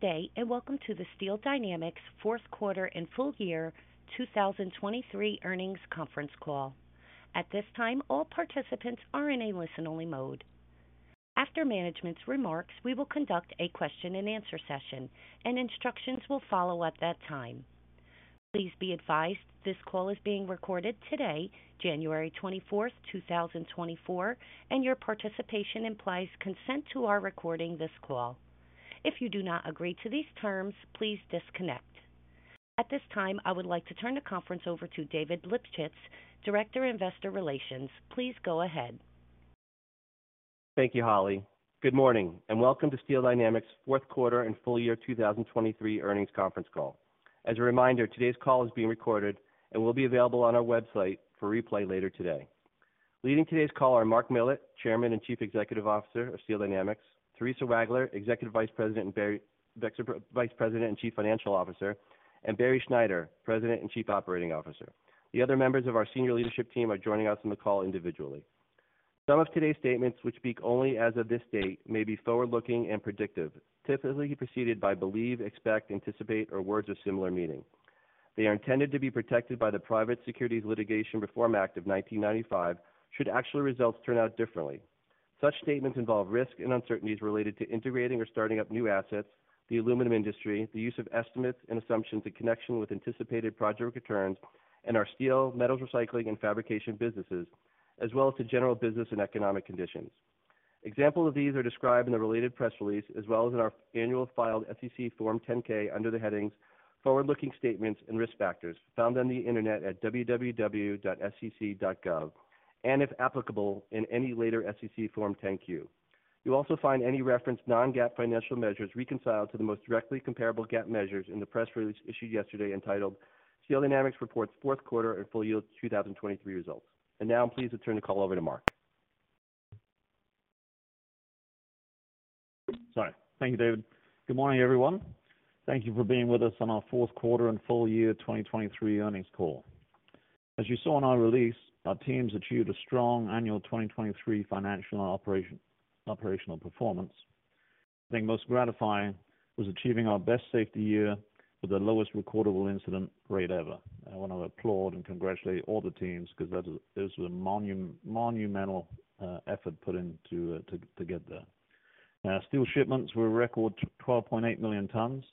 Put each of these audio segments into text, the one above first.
Good day, and welcome to the Steel Dynamics fourth quarter and full year 2023 earnings conference call. At this time, all participants are in a listen-only mode. After management's remarks, we will conduct a question-and-answer session, and instructions will follow at that time. Please be advised this call is being recorded today, January 24, 2024, and your participation implies consent to our recording this call. If you do not agree to these terms, please disconnect. At this time, I would like to turn the conference over to David Lipschitz, Director, Investor Relations. Please go ahead. Thank you, Holly. Good morning, and welcome to Steel Dynamics' fourth quarter and full year 2023 earnings conference call. As a reminder, today's call is being recorded and will be available on our website for replay later today. Leading today's call are Mark Millett, Chairman and Chief Executive Officer of Steel Dynamics, Theresa Wagler, Executive Vice President and Chief Financial Officer, and Barry Schneider, President and Chief Operating Officer. The other members of our senior leadership team are joining us on the call individually. Some of today's statements, which speak only as of this date, may be forward-looking and predictive, typically preceded by believe, expect, anticipate, or words of similar meaning. They are intended to be protected by the Private Securities Litigation Reform Act of 1995 should actual results turn out differently. Such statements involve risks and uncertainties related to integrating or starting up new assets, the aluminum industry, the use of estimates and assumptions in connection with anticipated project returns, and our steel, metals recycling, and fabrication businesses, as well as the general business and economic conditions. Examples of these are described in the related press release, as well as in our annual filed SEC Form 10-K, under the headings Forward-Looking Statements and Risk Factors, found on the Internet at www.sec.gov, and, if applicable, in any later SEC Form 10-Q. You'll also find any referenced non-GAAP financial measures reconciled to the most directly comparable GAAP measures in the press release issued yesterday entitled Steel Dynamics Reports Fourth Quarter and Full Year 2023 Results. Now I'm pleased to turn the call over to Mark. Sorry. Thank you, David. Good morning, everyone. Thank you for being with us on our fourth quarter and full year 2023 earnings call. As you saw in our release, our teams achieved a strong annual 2023 financial and operational performance. I think most gratifying was achieving our best safety year with the lowest recordable incident rate ever. I want to applaud and congratulate all the teams because that is, it was a monumental effort put in to get there. Now, steel shipments were a record 12.8 million tons.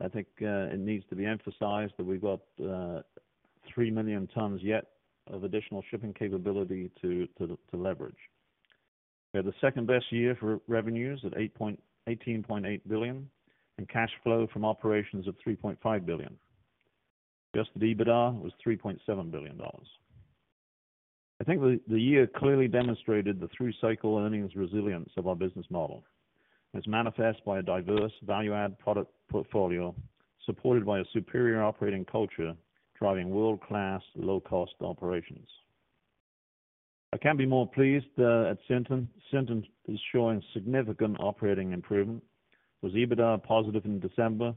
I think it needs to be emphasized that we've got 3 million tons yet of additional shipping capability to leverage. We had the second-best year for revenues at $18.8 billion, and cash flow from operations of $3.5 billion. Adjusted EBITDA was $3.7 billion. I think the year clearly demonstrated the through-cycle earnings resilience of our business model. It's manifest by a diverse value-add product portfolio, supported by a superior operating culture, driving world-class, low-cost operations. I can't be more pleased at Sinton. Sinton is showing significant operating improvement, with EBITDA positive in December,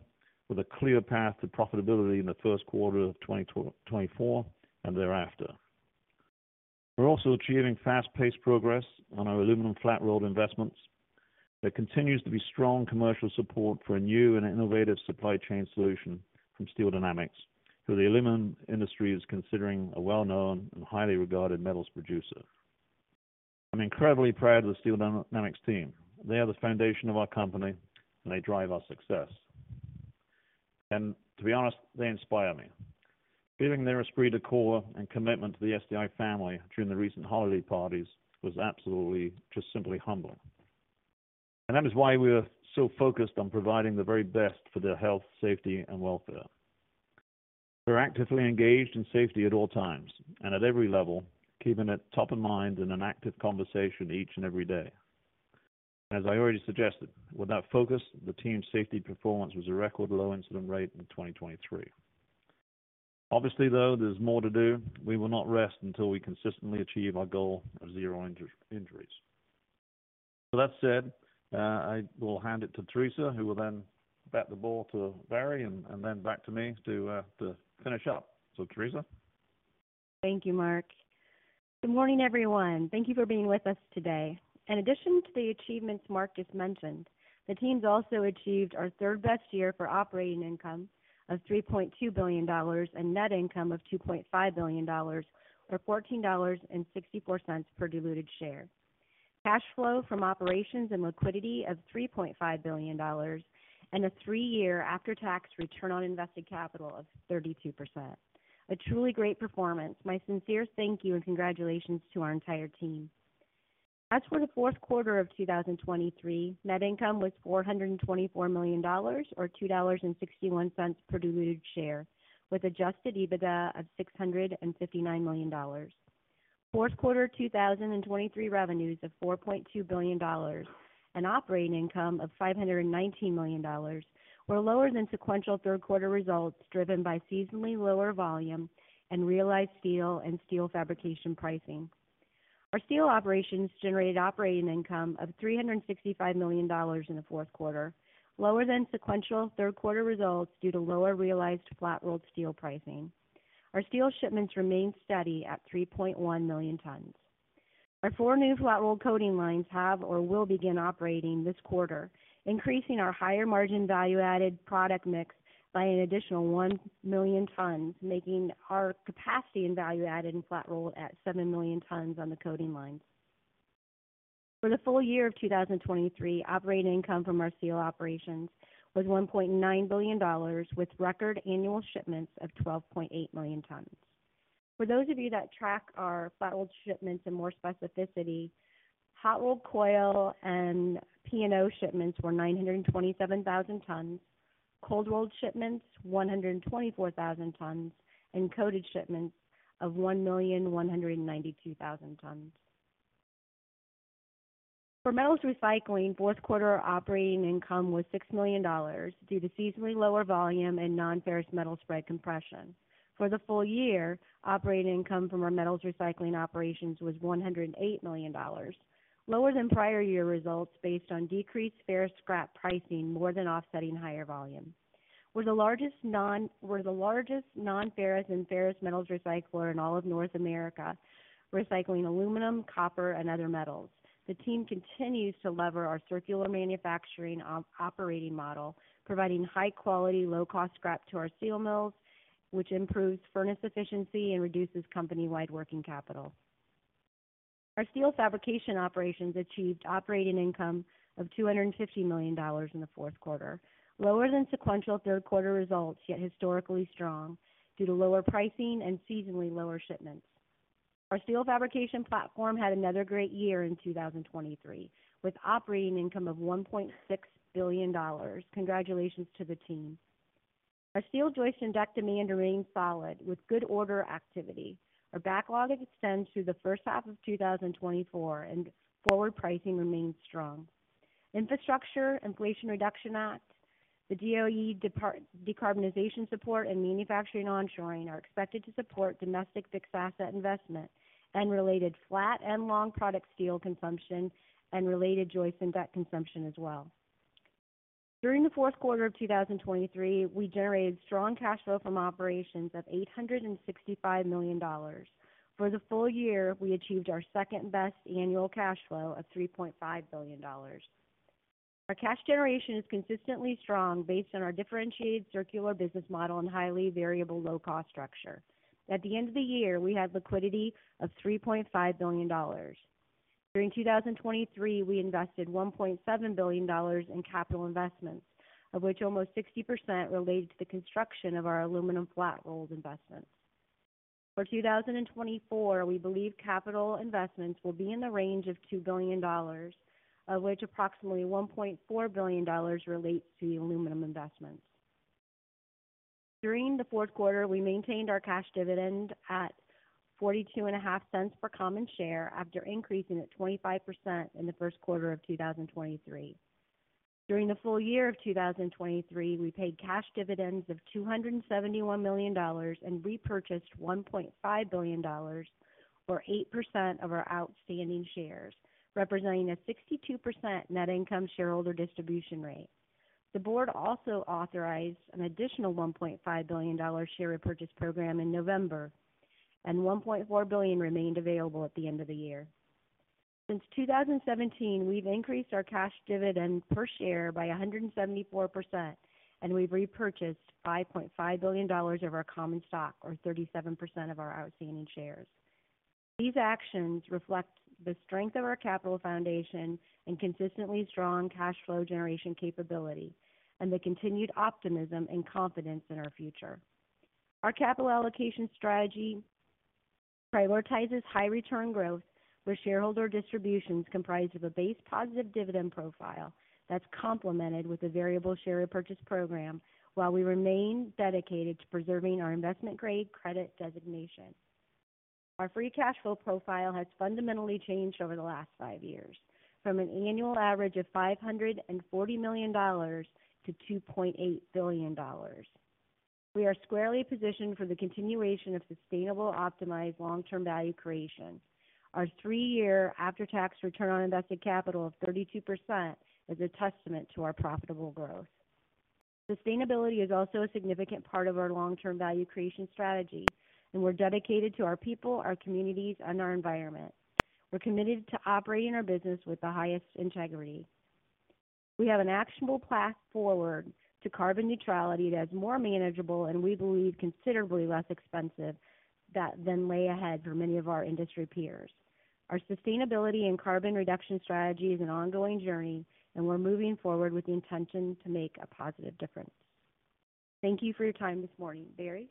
with a clear path to profitability in the first quarter of 2024 and thereafter. We're also achieving fast-paced progress on our aluminum flat-rolled investments. There continues to be strong commercial support for a new and innovative supply chain solution from Steel Dynamics, who the aluminum industry is considering a well-known and highly regarded metals producer. I'm incredibly proud of the Steel Dynamics team. They are the foundation of our company, and they drive our success. And to be honest, they inspire me. Feeling their esprit de corps and commitment to the SDI family during the recent holiday parties was absolutely just simply humbling. That is why we are so focused on providing the very best for their health, safety, and welfare. We're actively engaged in safety at all times and at every level, keeping it top of mind in an active conversation each and every day. As I already suggested, with that focus, the team's safety performance was a record low incident rate in 2023. Obviously, though, there's more to do. We will not rest until we consistently achieve our goal of zero injuries. That said, I will hand it to Theresa, who will then bat the ball to Barry and then back to me to finish up. So, Theresa? Thank you, Mark. Good morning, everyone. Thank you for being with us today. In addition to the achievements Mark just mentioned, the teams also achieved our third-best year for operating income of $3.2 billion, and net income of $2.5 billion, or $14.64 per diluted share. Cash flow from operations and liquidity of $3.5 billion, and a three-year after-tax return on invested capital of 32%. A truly great performance. My sincerest thank you and congratulations to our entire team. As for the fourth quarter of 2023, net income was $424 million, or $2.61 per diluted share, with adjusted EBITDA of $659 million. Fourth quarter 2023 revenues of $4.2 billion, and operating income of $519 million, were lower than sequential third quarter results, driven by seasonally lower volume and realized steel and steel fabrication pricing. Our steel operations generated operating income of $365 million in the fourth quarter, lower than sequential third quarter results due to lower realized flat-rolled steel pricing. Our steel shipments remained steady at 3.1 million tons. Our 4 new flat-roll coating lines have or will begin operating this quarter, increasing our higher-margin, value-added product mix by an additional 1 million tons, making our capacity in value-added and flat-roll at 7 million tons on the coating lines. For the full year of 2023, operating income from our steel operations was $1.9 billion, with record annual shipments of 12.8 million tons. For those of you that track our flat-rolled shipments in more specificity, hot-rolled coil and P&O shipments were 927,000 tons, cold-rolled shipments, 124,000 tons, and coated shipments of 1,192,000 tons. For metals recycling, fourth quarter operating income was $6 million due to seasonally lower volume and nonferrous metal spread compression. For the full year, operating income from our metals recycling operations was $108 million, lower than prior year results based on decreased ferrous scrap pricing, more than offsetting higher volume. We're the largest nonferrous and ferrous metals recycler in all of North America, recycling aluminum, copper, and other metals. The team continues to lever our circular manufacturing operating model, providing high-quality, low-cost scrap to our steel mills, which improves furnace efficiency and reduces company-wide working capital. Our steel fabrication operations achieved operating income of $250 million in the fourth quarter, lower than sequential third quarter results, yet historically strong due to lower pricing and seasonally lower shipments. Our steel fabrication platform had another great year in 2023, with operating income of $1.6 billion. Congratulations to the team. Our steel joist and deck demand remains solid, with good order activity. Our backlog extends through the first half of 2024, and forward pricing remains strong. Infrastructure, Inflation Reduction Act, the DOE decarbonization support, and manufacturing onshoring are expected to support domestic fixed asset investment and related flat and long product steel consumption and related joist and deck consumption as well. During the fourth quarter of 2023, we generated strong cash flow from operations of $865 million. For the full year, we achieved our second-best annual cash flow of $3.5 billion. Our cash generation is consistently strong, based on our differentiated circular business model and highly variable low-cost structure. At the end of the year, we had liquidity of $3.5 billion. During 2023, we invested $1.7 billion in capital investments, of which almost 60% related to the construction of our aluminum flat rolled investments. For 2024, we believe capital investments will be in the range of $2 billion, of which approximately $1.4 billion relates to aluminum investments. During the fourth quarter, we maintained our cash dividend at $0.425 per common share, after increasing it 25% in the first quarter of 2023. During the full year of 2023, we paid cash dividends of $271 million and repurchased $1.5 billion, or 8% of our outstanding shares, representing a 62% net income shareholder distribution rate. The board also authorized an additional $1.5 billion-dollar share repurchase program in November, and $1.4 billion remained available at the end of the year. Since 2017, we've increased our cash dividend per share by 174%, and we've repurchased $5.5 billion of our common stock, or 37% of our outstanding shares. These actions reflect the strength of our capital foundation and consistently strong cash flow generation capability and the continued optimism and confidence in our future. Our capital allocation strategy prioritizes high-return growth, where shareholder distributions comprise of a base positive dividend profile that's complemented with a variable share repurchase program, while we remain dedicated to preserving our investment-grade credit designation. Our free cash flow profile has fundamentally changed over the last five years, from an annual average of $540 million to $2.8 billion. We are squarely positioned for the continuation of sustainable, optimized, long-term value creation. Our three-year after-tax return on invested capital of 32% is a testament to our profitable growth. Sustainability is also a significant part of our long-term value creation strategy, and we're dedicated to our people, our communities, and our environment. We're committed to operating our business with the highest integrity. We have an actionable path forward to carbon neutrality that's more manageable and we believe, considerably less expensive than lay ahead for many of our industry peers. Our sustainability and carbon reduction strategy is an ongoing journey, and we're moving forward with the intention to make a positive difference. Thank you for your time this morning. Barry?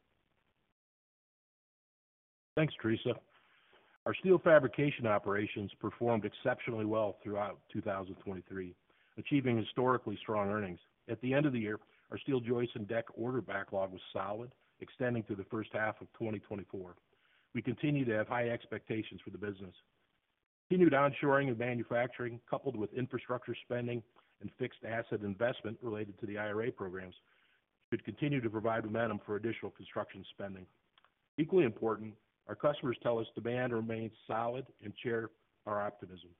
Thanks, Theresa. Our steel fabrication operations performed exceptionally well throughout 2023, achieving historically strong earnings. At the end of the year, our steel joist and deck order backlog was solid, extending through the first half of 2024. We continue to have high expectations for the business. Continued onshoring of manufacturing, coupled with infrastructure spending and fixed asset investment related to the IRA programs, should continue to provide momentum for additional construction spending. Equally important, our customers tell us demand remains solid and share our optimism.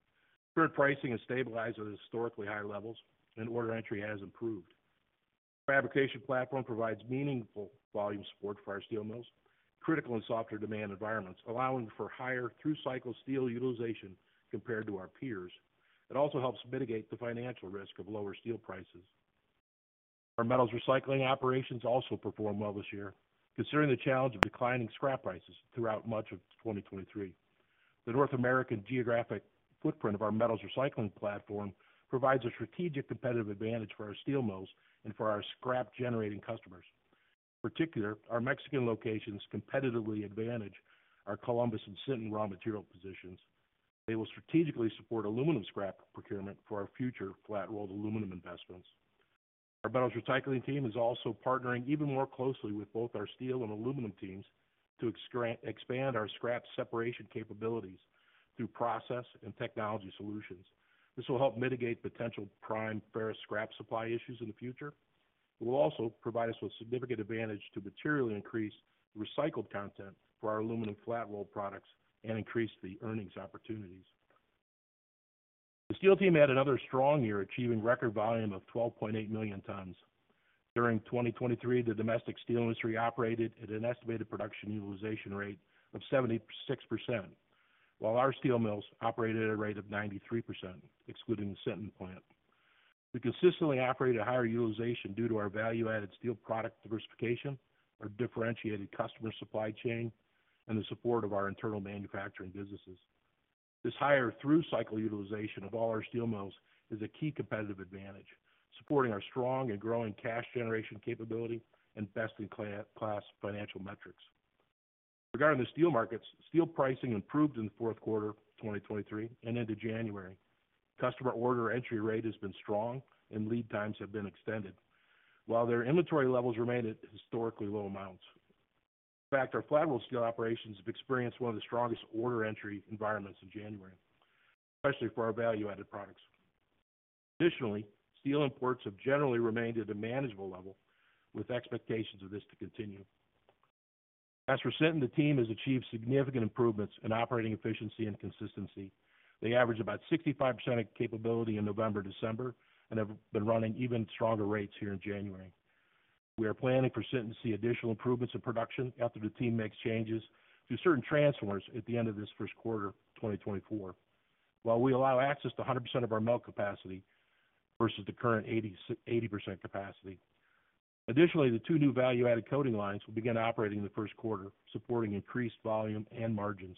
Current pricing has stabilized at historically higher levels, and order entry has improved.... Fabrication platform provides meaningful volume support for our steel mills, critical and softer demand environments, allowing for higher through-cycle steel utilization compared to our peers. It also helps mitigate the financial risk of lower steel prices. Our metals recycling operations also performed well this year, considering the challenge of declining scrap prices throughout much of 2023. The North American geographic footprint of our metals recycling platform provides a strategic competitive advantage for our steel mills and for our scrap-generating customers. In particular, our Mexican locations competitively advantage our Columbus and Sinton raw material positions. They will strategically support aluminum scrap procurement for our future flat-rolled aluminum investments. Our metals recycling team is also partnering even more closely with both our steel and aluminum teams to expand our scrap separation capabilities through process and technology solutions. This will help mitigate potential prime ferrous scrap supply issues in the future. It will also provide us with significant advantage to materially increase recycled content for our aluminum flat-rolled products and increase the earnings opportunities. The steel team had another strong year, achieving record volume of 12.8 million tons. During 2023, the domestic steel industry operated at an estimated production utilization rate of 76%, while our steel mills operated at a rate of 93%, excluding the Sinton plant. We consistently operate at higher utilization due to our value-added steel product diversification, our differentiated customer supply chain, and the support of our internal manufacturing businesses. This higher through-cycle utilization of all our steel mills is a key competitive advantage, supporting our strong and growing cash generation capability and best-in-class financial metrics. Regarding the steel markets, steel pricing improved in the fourth quarter of 2023 and into January. Customer order entry rate has been strong, and lead times have been extended, while their inventory levels remained at historically low amounts. In fact, our flat-rolled steel operations have experienced one of the strongest order entry environments in January, especially for our value-added products. Additionally, steel imports have generally remained at a manageable level, with expectations of this to continue. As for Sinton, the team has achieved significant improvements in operating efficiency and consistency. They averaged about 65% of capability in November, December, and have been running even stronger rates here in January. We are planning for Sinton to see additional improvements in production after the team makes changes to certain transformers at the end of this first quarter, 2024. While we allow access to 100% of our mill capacity, versus the current 80% capacity. Additionally, the 2 new value-added coating lines will begin operating in the first quarter, supporting increased volume and margins.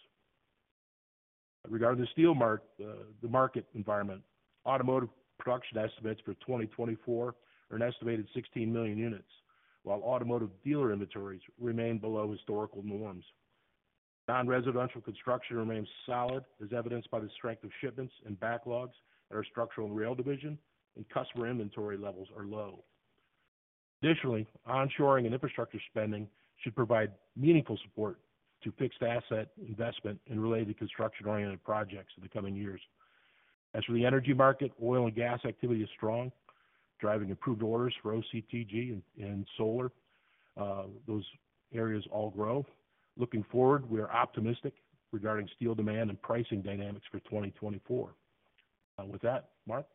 Regarding the steel market, the market environment, automotive production estimates for 2024 are an estimated 16 million units, while automotive dealer inventories remain below historical norms. Non-residential construction remains solid, as evidenced by the strength of shipments and backlogs at our structural and rail division, and customer inventory levels are low. Additionally, onshoring and infrastructure spending should provide meaningful support to fixed asset investment and related construction-oriented projects in the coming years. As for the energy market, oil and gas activity is strong, driving improved orders for OCTG and solar, those areas all grow. Looking forward, we are optimistic regarding steel demand and pricing dynamics for 2024. With that, Mark?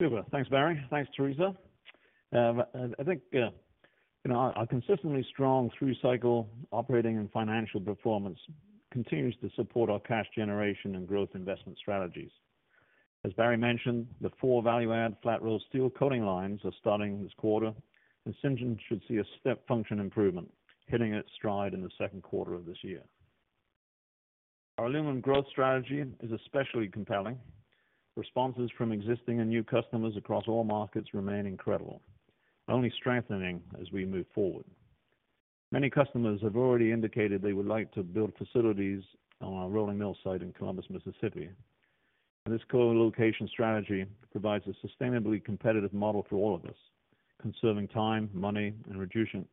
Super. Thanks, Barry. Thanks, Theresa. I think, you know, our consistently strong through-cycle operating and financial performance continues to support our cash generation and growth investment strategies. As Barry mentioned, the four value-add flat-rolled steel coating lines are starting this quarter, and Sinton should see a step function improvement, hitting its stride in the second quarter of this year. Our aluminum growth strategy is especially compelling. Responses from existing and new customers across all markets remain incredible, only strengthening as we move forward. Many customers have already indicated they would like to build facilities on our rolling mill site in Columbus, Mississippi. This co-location strategy provides a sustainably competitive model for all of us, conserving time, money, and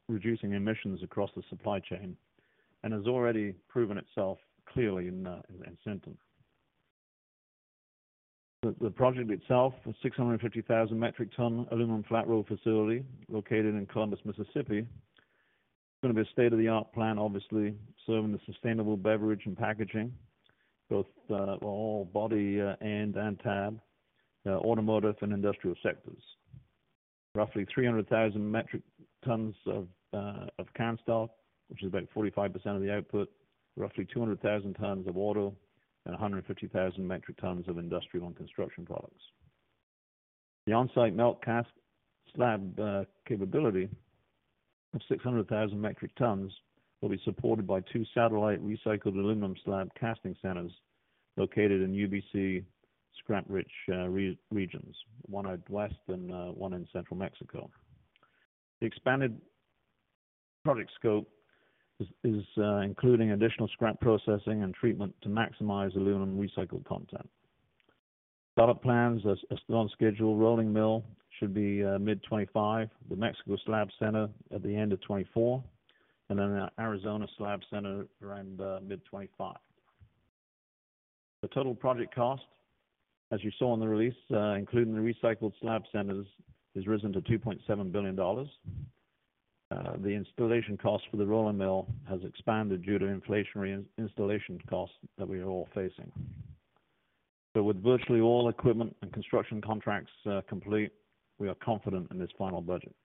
reducing emissions across the supply chain, and has already proven itself clearly in Sinton. The project itself, the 650,000 metric ton aluminum flat-rolled facility located in Columbus, Mississippi, is going to be a state-of-the-art plant, obviously serving the sustainable beverage and packaging, both all body end and tab automotive and industrial sectors. Roughly 300,000 metric tons of can stock, which is about 45% of the output, roughly 200,000 tons of auto, and 150,000 metric tons of industrial and construction products. The on-site melt cast slab capability of 600,000 metric tons will be supported by two satellite recycled aluminum slab casting centers located in UBC scrap-rich regions, one out west and one in central Mexico. The expanded project scope is including additional scrap processing and treatment to maximize aluminum recycled content. Startup plans are still on schedule. Rolling mill should be mid-2025, the Mexico slab center at the end of 2024, and then our Arizona slab center around mid-2025. The total project cost, as you saw in the release, including the recycled slab centers, has risen to $2.7 billion. The installation costs for the rolling mill has expanded due to inflationary installation costs that we are all facing. But with virtually all equipment and construction contracts complete, we are confident in this final budget.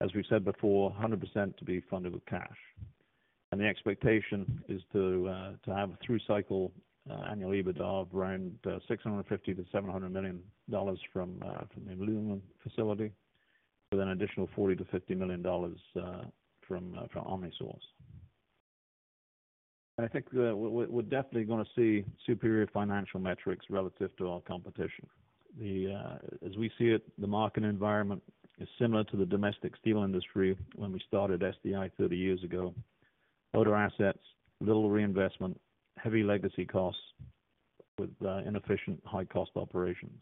As we've said before, 100% to be funded with cash, and the expectation is to have a through-cycle annual EBITDA of around $650 million to $700 million from the aluminum facility, with an additional $40 million to $50 million from OmniSource. I think, we're definitely gonna see superior financial metrics relative to our competition. As we see it, the market environment is similar to the domestic steel industry when we started SDI 30 years ago. Older assets, little reinvestment, heavy legacy costs with inefficient, high-cost operations.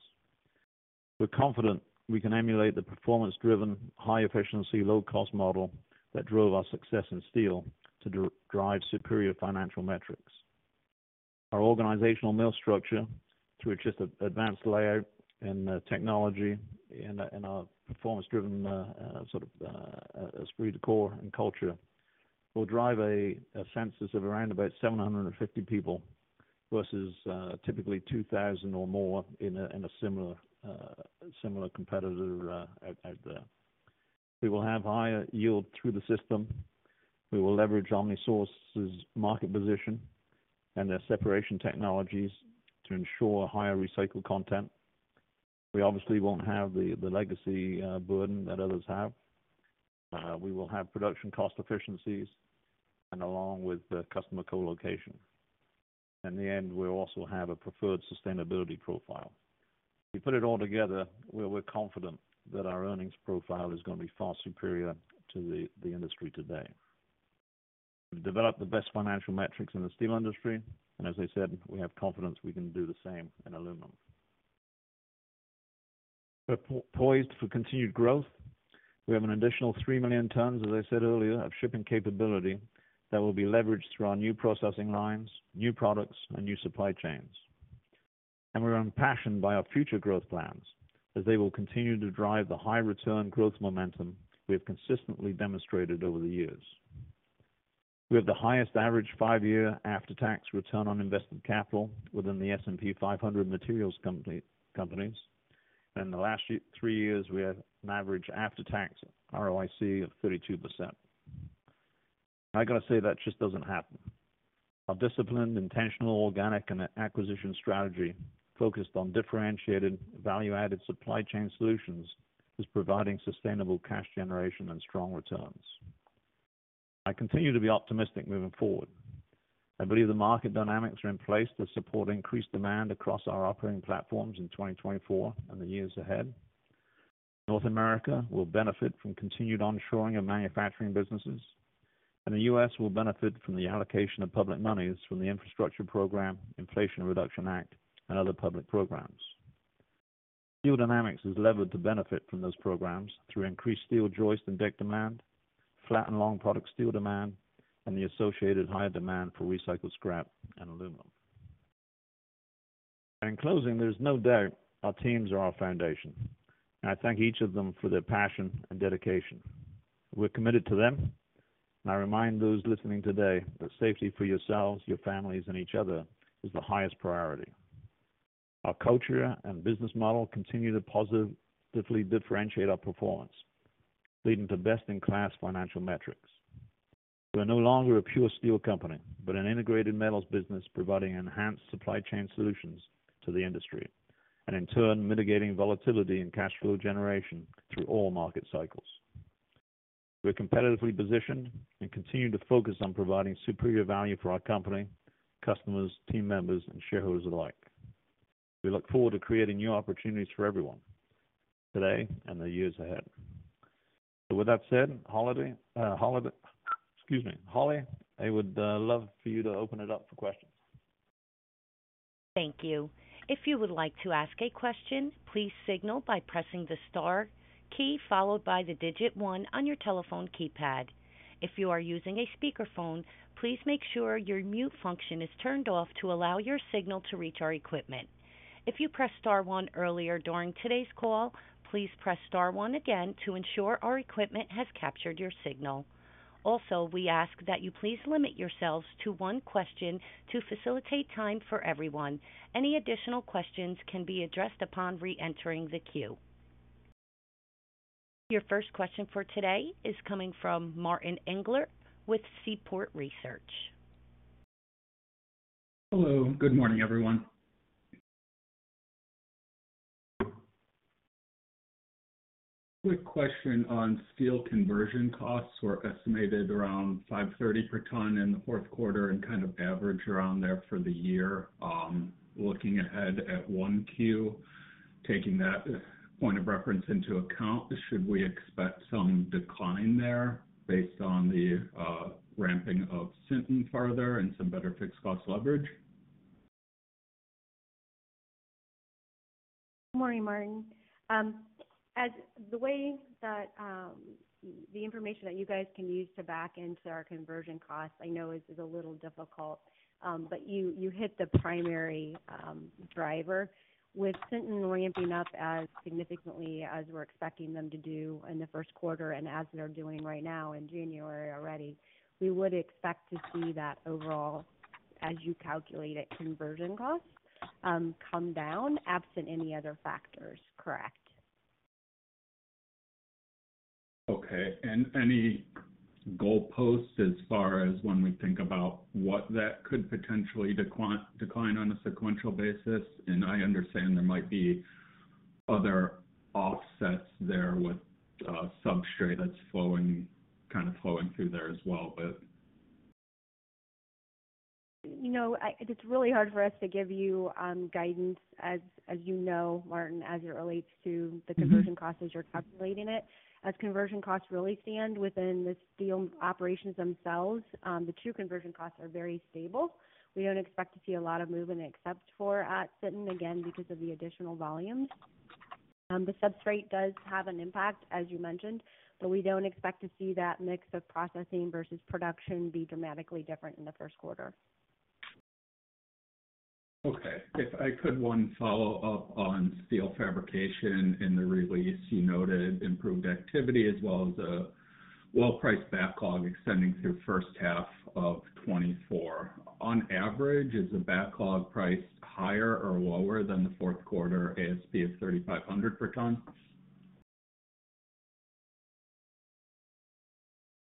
We're confident we can emulate the performance-driven, high efficiency, low-cost model that drove our success in steel to drive superior financial metrics. Our organizational mill structure, through just an advanced layout and technology and our performance-driven, sort of, esprit de corps and culture, will drive a census of around about 750 people versus typically 2,000 or more in a similar competitor out there. We will have higher yield through the system. We will leverage OmniSource's market position and their separation technologies to ensure higher recycled content. We obviously won't have the legacy burden that others have. We will have production cost efficiencies and along with the customer co-location. In the end, we'll also have a preferred sustainability profile. We put it all together, we're confident that our earnings profile is gonna be far superior to the industry today. We've developed the best financial metrics in the steel industry, and as I said, we have confidence we can do the same in aluminum. We're poised for continued growth. We have an additional 3 million tons, as I said earlier, of shipping capability that will be leveraged through our new processing lines, new products, and new supply chains. And we're impassioned by our future growth plans as they will continue to drive the high return growth momentum we have consistently demonstrated over the years. We have the highest average five-year after-tax return on invested capital within the S&P 500 materials companies, and the last three years, we had an average after-tax ROIC of 32%. I got to say, that just doesn't happen. Our disciplined, intentional, organic, and acquisition strategy, focused on differentiated value-added supply chain solutions, is providing sustainable cash generation and strong returns. I continue to be optimistic moving forward. I believe the market dynamics are in place to support increased demand across our operating platforms in 2024 and the years ahead. North America will benefit from continued onshoring of manufacturing businesses, and the U.S. will benefit from the allocation of public monies from the infrastructure program, Inflation Reduction Act and other public programs. Steel Dynamics is levered to benefit from those programs through increased steel joist and deck demand, flat and long product steel demand, and the associated higher demand for recycled scrap and aluminum. In closing, there's no doubt our teams are our foundation, and I thank each of them for their passion and dedication. We're committed to them, and I remind those listening today that safety for yourselves, your families, and each other is the highest priority. Our culture and business model continue to positively differentiate our performance, leading to best-in-class financial metrics. We are no longer a pure steel company, but an integrated metals business, providing enhanced supply chain solutions to the industry and in turn mitigating volatility and cash flow generation through all market cycles. We're competitively positioned and continue to focus on providing superior value for our company, customers, team members, and shareholders alike. We look forward to creating new opportunities for everyone today and the years ahead. So with that said, excuse me, Holly, I would love for you to open it up for questions. Thank you. If you would like to ask a question, please signal by pressing the star key followed by the digit one on your telephone keypad. If you are using a speakerphone, please make sure your mute function is turned off to allow your signal to reach our equipment. If you pressed star one earlier during today's call, please press star one again to ensure our equipment has captured your signal. Also, we ask that you please limit yourselves to one question to facilitate time for everyone. Any additional questions can be addressed upon reentering the queue. Your first question for today is coming from Martin Englert with Seaport Research. Hello, good morning, everyone. Quick question on steel conversion costs were estimated around $530 per ton in the fourth quarter and kind of average around there for the year. Looking ahead at 1Q, taking that point of reference into account, should we expect some decline there based on the ramping of Sinton further and some better fixed cost leverage?... Good morning, Martin. As the way that the information that you guys can use to back into our conversion costs, I know is a little difficult, but you hit the primary driver. With Sinton ramping up as significantly as we're expecting them to do in the first quarter and as they're doing right now in January already, we would expect to see that overall, as you calculate it, conversion costs come down absent any other factors. Correct. Okay. And any goalposts as far as when we think about what that could potentially decline on a sequential basis? And I understand there might be other offsets there with substrate that's flowing, kind of flowing through there as well, but. You know, it's really hard for us to give you guidance as, as you know, Martin, as it relates to- Mm-hmm. the conversion costs as you're calculating it. As conversion costs really stand within the steel operations themselves, the two conversion costs are very stable. We don't expect to see a lot of movement except for at Sinton, again, because of the additional volumes. The substrate does have an impact, as you mentioned, but we don't expect to see that mix of processing versus production be dramatically different in the first quarter. Okay. If I could one follow up on steel fabrication. In the release, you noted improved activity as well as a well-priced backlog extending through first half of 2024. On average, is the backlog price higher or lower than the fourth quarter ASP of $3,500 per ton?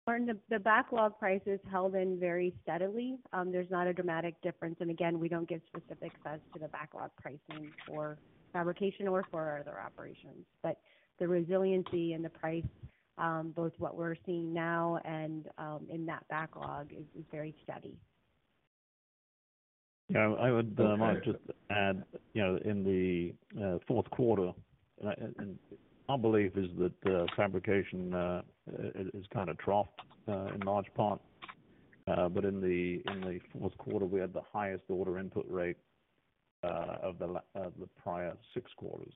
Martin, the backlog price is held in very steadily. There's not a dramatic difference, and again, we don't give specifics as to the backlog pricing for fabrication or for other operations. But the resiliency and the price, both what we're seeing now and in that backlog is very steady. Yeah, I would might just add, you know, in the fourth quarter, and my belief is that the fabrication is kind of troughed in large part. But in the fourth quarter, we had the highest order input rate of the prior six quarters.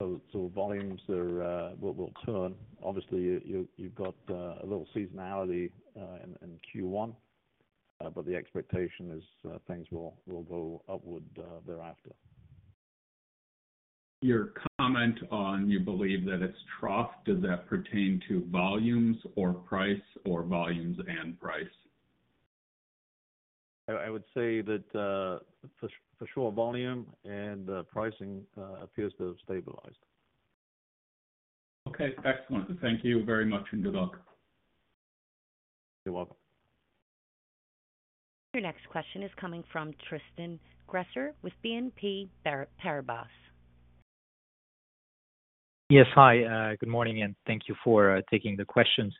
So volumes are will turn. Obviously, you've got a little seasonality in Q1, but the expectation is things will go upward thereafter. Your comment on you believe that it's troughed, does that pertain to volumes or price, or volumes and price? I would say that for sure volume and pricing appears to have stabilized. Okay, excellent. Thank you very much, and good luck. You're welcome. Your next question is coming from Tristan Gresser with BNP Paribas. Yes. Hi, good morning, and thank you for taking the questions.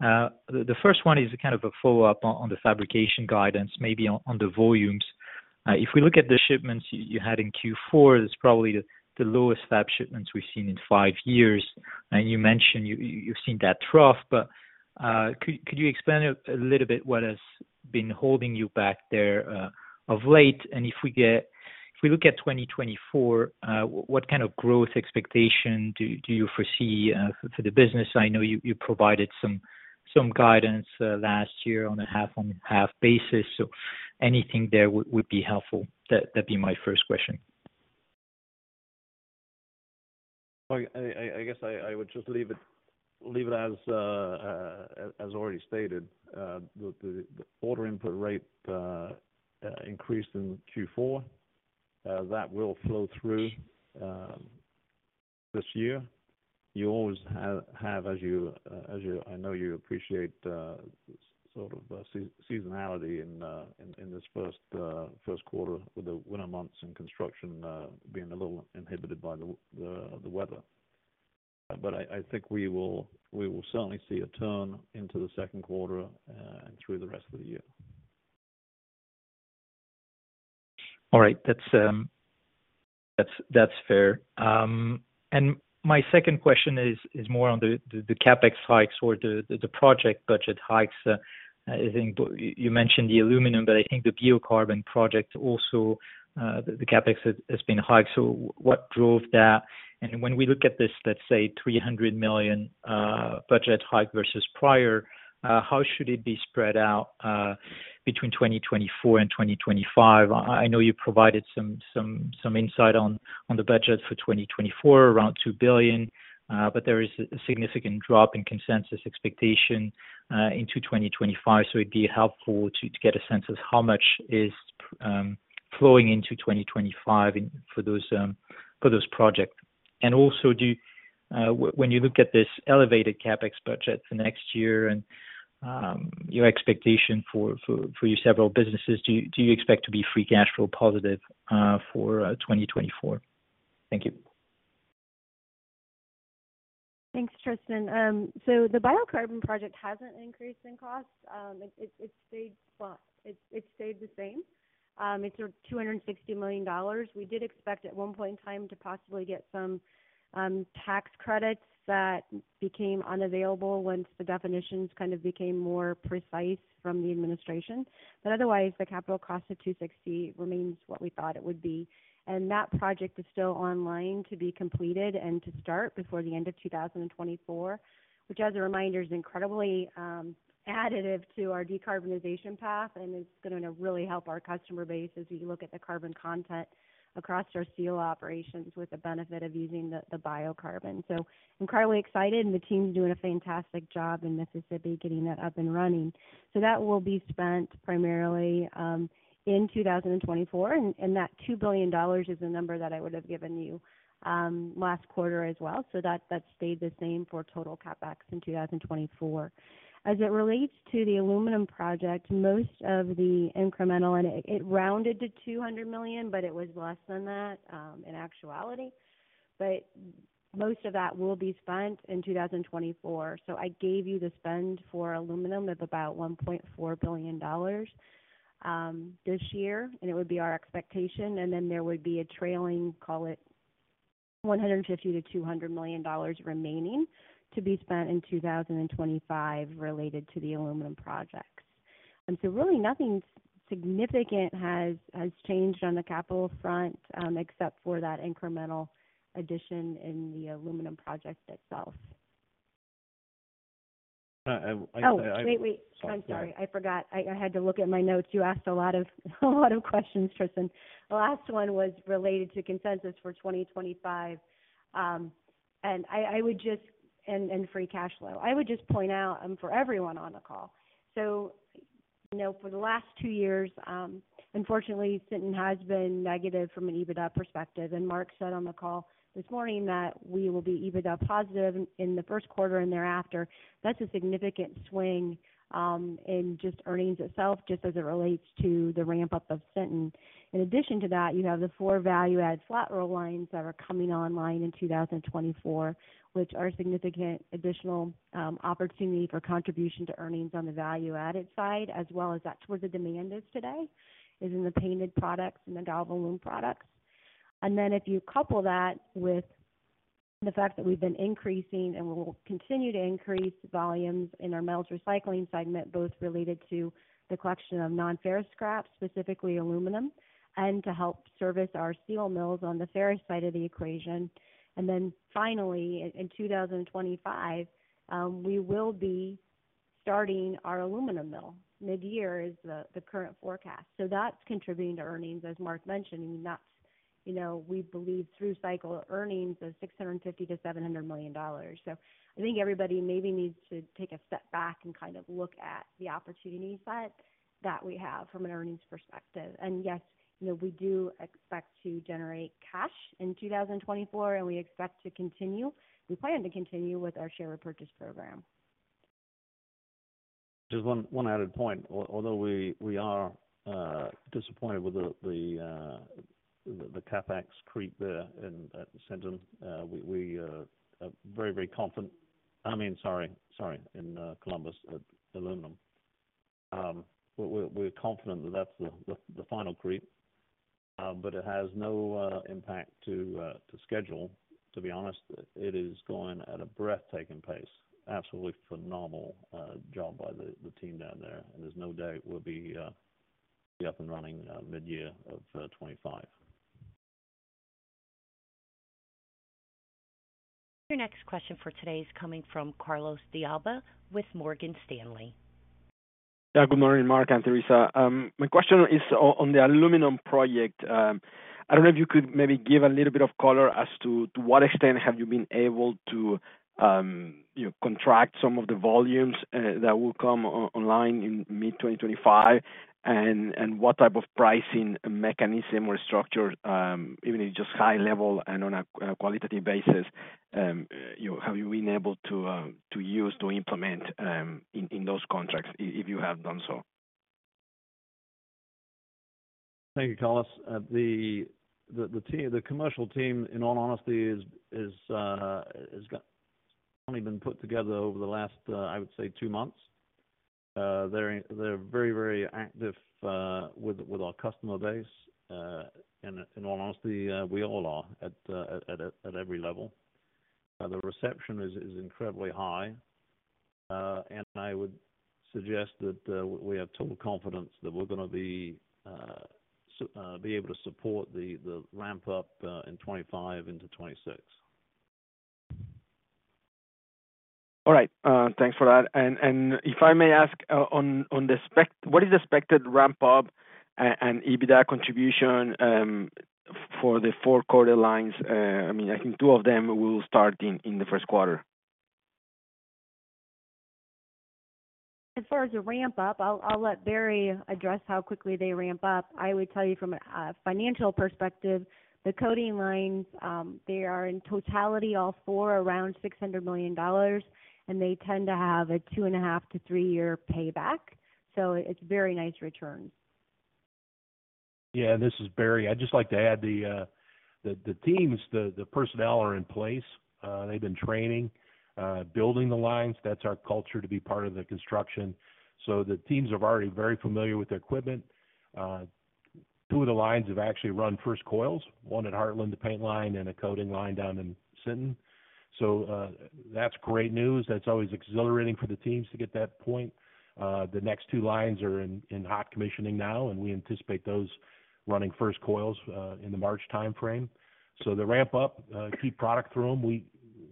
The first one is kind of a follow-up on the fabrication guidance, maybe on the volumes. If we look at the shipments you had in Q4, that's probably the lowest fab shipments we've seen in 5 years. And you mentioned you've seen that trough, but could you explain a little bit what has been holding you back there of late? And if we look at 2024, what kind of growth expectation do you foresee for the business? I know you provided some guidance last year on a half-on-half basis. So anything there would be helpful. That'd be my first question. I guess I would just leave it as already stated, with the order input rate increased in Q4, that will flow through this year. You always have, as you—I know you appreciate sort of seasonality in this first quarter with the winter months and construction being a little inhibited by the weather. But I think we will certainly see a turn into the second quarter and through the rest of the year. All right. That's, that's fair. And my second question is more on the CapEx hikes or the project budget hikes. I think you mentioned the aluminum, but I think the biocarbon project also, the CapEx has been hiked. So what drove that? And when we look at this, let's say $300 million budget hike versus prior, how should it be spread out between 2024 and 2025? I know you provided some insight on the budget for 2024, around $2 billion, but there is a significant drop in consensus expectation into 2025. So it'd be helpful to get a sense of how much is flowing into 2025 for those projects. And also, do you... When you look at this elevated CapEx budget for next year and your expectation for your several businesses, do you expect to be free cash flow positive for 2024? Thank you.... Thanks, Tristan. So the biocarbon project hasn't increased in cost. It stayed flat. It stayed the same. It's sort of $260 million. We did expect, at one point in time, to possibly get some tax credits that became unavailable once the definitions kind of became more precise from the administration. But otherwise, the capital cost of $260 remains what we thought it would be, and that project is still online to be completed and to start before the end of 2024. Which, as a reminder, is incredibly additive to our decarbonization path and is gonna really help our customer base as we look at the carbon content across our steel operations with the benefit of using the biocarbon. So incredibly excited, and the team's doing a fantastic job in Mississippi, getting that up and running. So that will be spent primarily in 2024, and that $2 billion is the number that I would have given you last quarter as well. So that stayed the same for total CapEx in 2024. As it relates to the aluminum project, most of the incremental, and it rounded to $200 million, but it was less than that in actuality. But most of that will be spent in 2024. So I gave you the spend for aluminum of about $1.4 billion this year, and it would be our expectation. And then there would be a trailing, call it, $150 million to $200 million remaining to be spent in 2025, related to the aluminum projects. And so really nothing significant has changed on the capital front, except for that incremental addition in the aluminum project itself. Uh, I, I- Oh, wait, wait. I'm sorry. I forgot. I had to look at my notes. You asked a lot of a lot of questions, Tristan. The last one was related to consensus for 2025. And I would just—and free cash flow. I would just point out, and for everyone on the call, so you know, for the last two years, unfortunately, Sinton has been negative from an EBITDA perspective, and Mark said on the call this morning that we will be EBITDA positive in the first quarter and thereafter. That's a significant swing in just earnings itself, just as it relates to the ramp-up of Sinton. In addition to that, you have the 4 value-added flat roll lines that are coming online in 2024, which are a significant additional opportunity for contribution to earnings on the value-added side, as well as that's where the demand is today, is in the painted products and the galvanized products. And then, if you couple that with the fact that we've been increasing, and we'll continue to increase volumes in our metals recycling segment, both related to the collection of non-ferrous scraps, specifically aluminum, and to help service our steel mills on the ferrous side of the equation. And then finally, in 2025, we will be starting our aluminum mill. Mid-year is the current forecast. So that's contributing to earnings, as Mark mentioned. I mean, that's, you know, we believe through-cycle earnings of $650 million to $700 million. So I think everybody maybe needs to take a step back and kind of look at the opportunity set that we have from an earnings perspective. Yes, you know, we do expect to generate cash in 2024, and we expect to continue. We plan to continue with our share repurchase program. Just one added point, although we are disappointed with the CapEx creep there in at Sinton, we are very, very confident. I mean, sorry, sorry, in Columbus, at aluminum. We're confident that that's the final creep, but it has no impact to schedule. To be honest, it is going at a breathtaking pace. Absolutely phenomenal job by the team down there. And there's no doubt we'll be up and running mid-year of 2025. Your next question for today is coming from Carlos De Alba with Morgan Stanley. Yeah. Good morning, Mark and Theresa. My question is on the aluminum project. I don't know if you could maybe give a little bit of color as to, to what extent have you been able to, you know, contract some of the volumes that will come online in mid-2025? And, and what type of pricing mechanism or structure, even if just high level and on a qualitative basis, you know, have you been able to to use to implement in those contracts, if you have done so? Thank you, Carlos. The team, the commercial team, in all honesty, has only been put together over the last, I would say, two months. They're very, very active with our customer base. And in all honesty, we all are at every level. The reception is incredibly high. And I would suggest that we have total confidence that we're gonna be able to support the ramp-up in 2025 into 2026. All right. Thanks for that. And if I may ask, on the spec- what is the expected ramp-up and EBITDA contribution for the four quarter lines? I mean, I think two of them will start in the first quarter. As far as the ramp-up, I'll let Barry address how quickly they ramp up. I would tell you from a financial perspective, the coating lines, they are, in totality, all four, around $600 million, and they tend to have a 2.5 to 3-year payback. So it's very nice returns.... Yeah, this is Barry. I'd just like to add the teams, the personnel are in place. They've been training, building the lines. That's our culture, to be part of the construction. So the teams are already very familiar with their equipment. Two of the lines have actually run first coils, one at Heartland, the paint line, and a coating line down in Sinton. So, that's great news. That's always exhilarating for the teams to get that point. The next two lines are in hot commissioning now, and we anticipate those running first coils in the March timeframe. So the ramp up, keep product through them.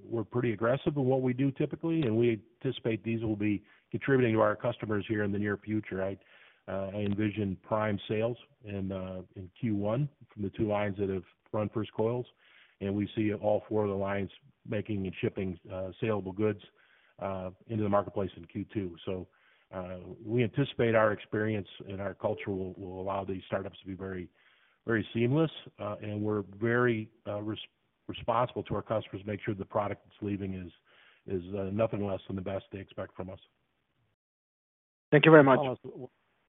We're pretty aggressive in what we do typically, and we anticipate these will be contributing to our customers here in the near future. I envision prime sales in Q1 from the two lines that have run first coils, and we see all four of the lines making and shipping saleable goods into the marketplace in Q2. So, we anticipate our experience and our culture will allow these startups to be very, very seamless. And we're very responsible to our customers to make sure the product that's leaving is nothing less than the best they expect from us. Thank you very much.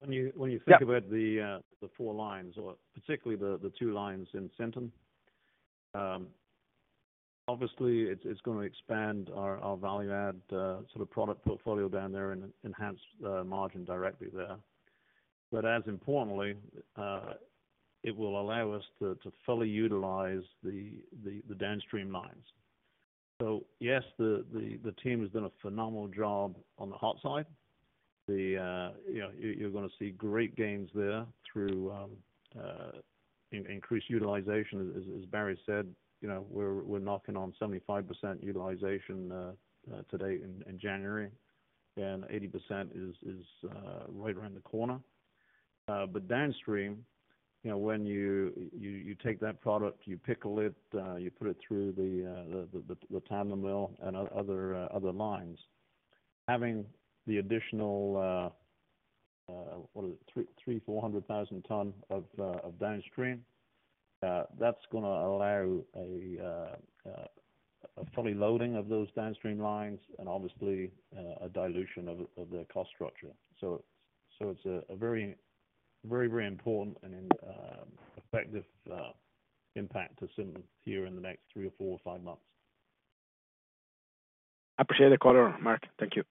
When you think- Yeah... about the four lines or particularly the two lines in Sinton, obviously, it's gonna expand our value add sort of product portfolio down there and enhance the margin directly there. But as importantly, it will allow us to fully utilize the downstream lines. So yes, the team has done a phenomenal job on the hot side. The, you know, you're gonna see great gains there through in increased utilization. As Barry said, you know, we're knocking on 75% utilization today in January, and 80% is right around the corner. But downstream, you know, when you take that product, you pickle it, you put it through the tandem mill and other lines. Having the additional, what is it? 300,000 to 400,000 ton of downstream, that's gonna allow a fully loading of those downstream lines and obviously, a dilution of the cost structure. So it's a very, very, very important and effective impact to Sinton here in the next three or four or five months. I appreciate the call, Mark. Thank you.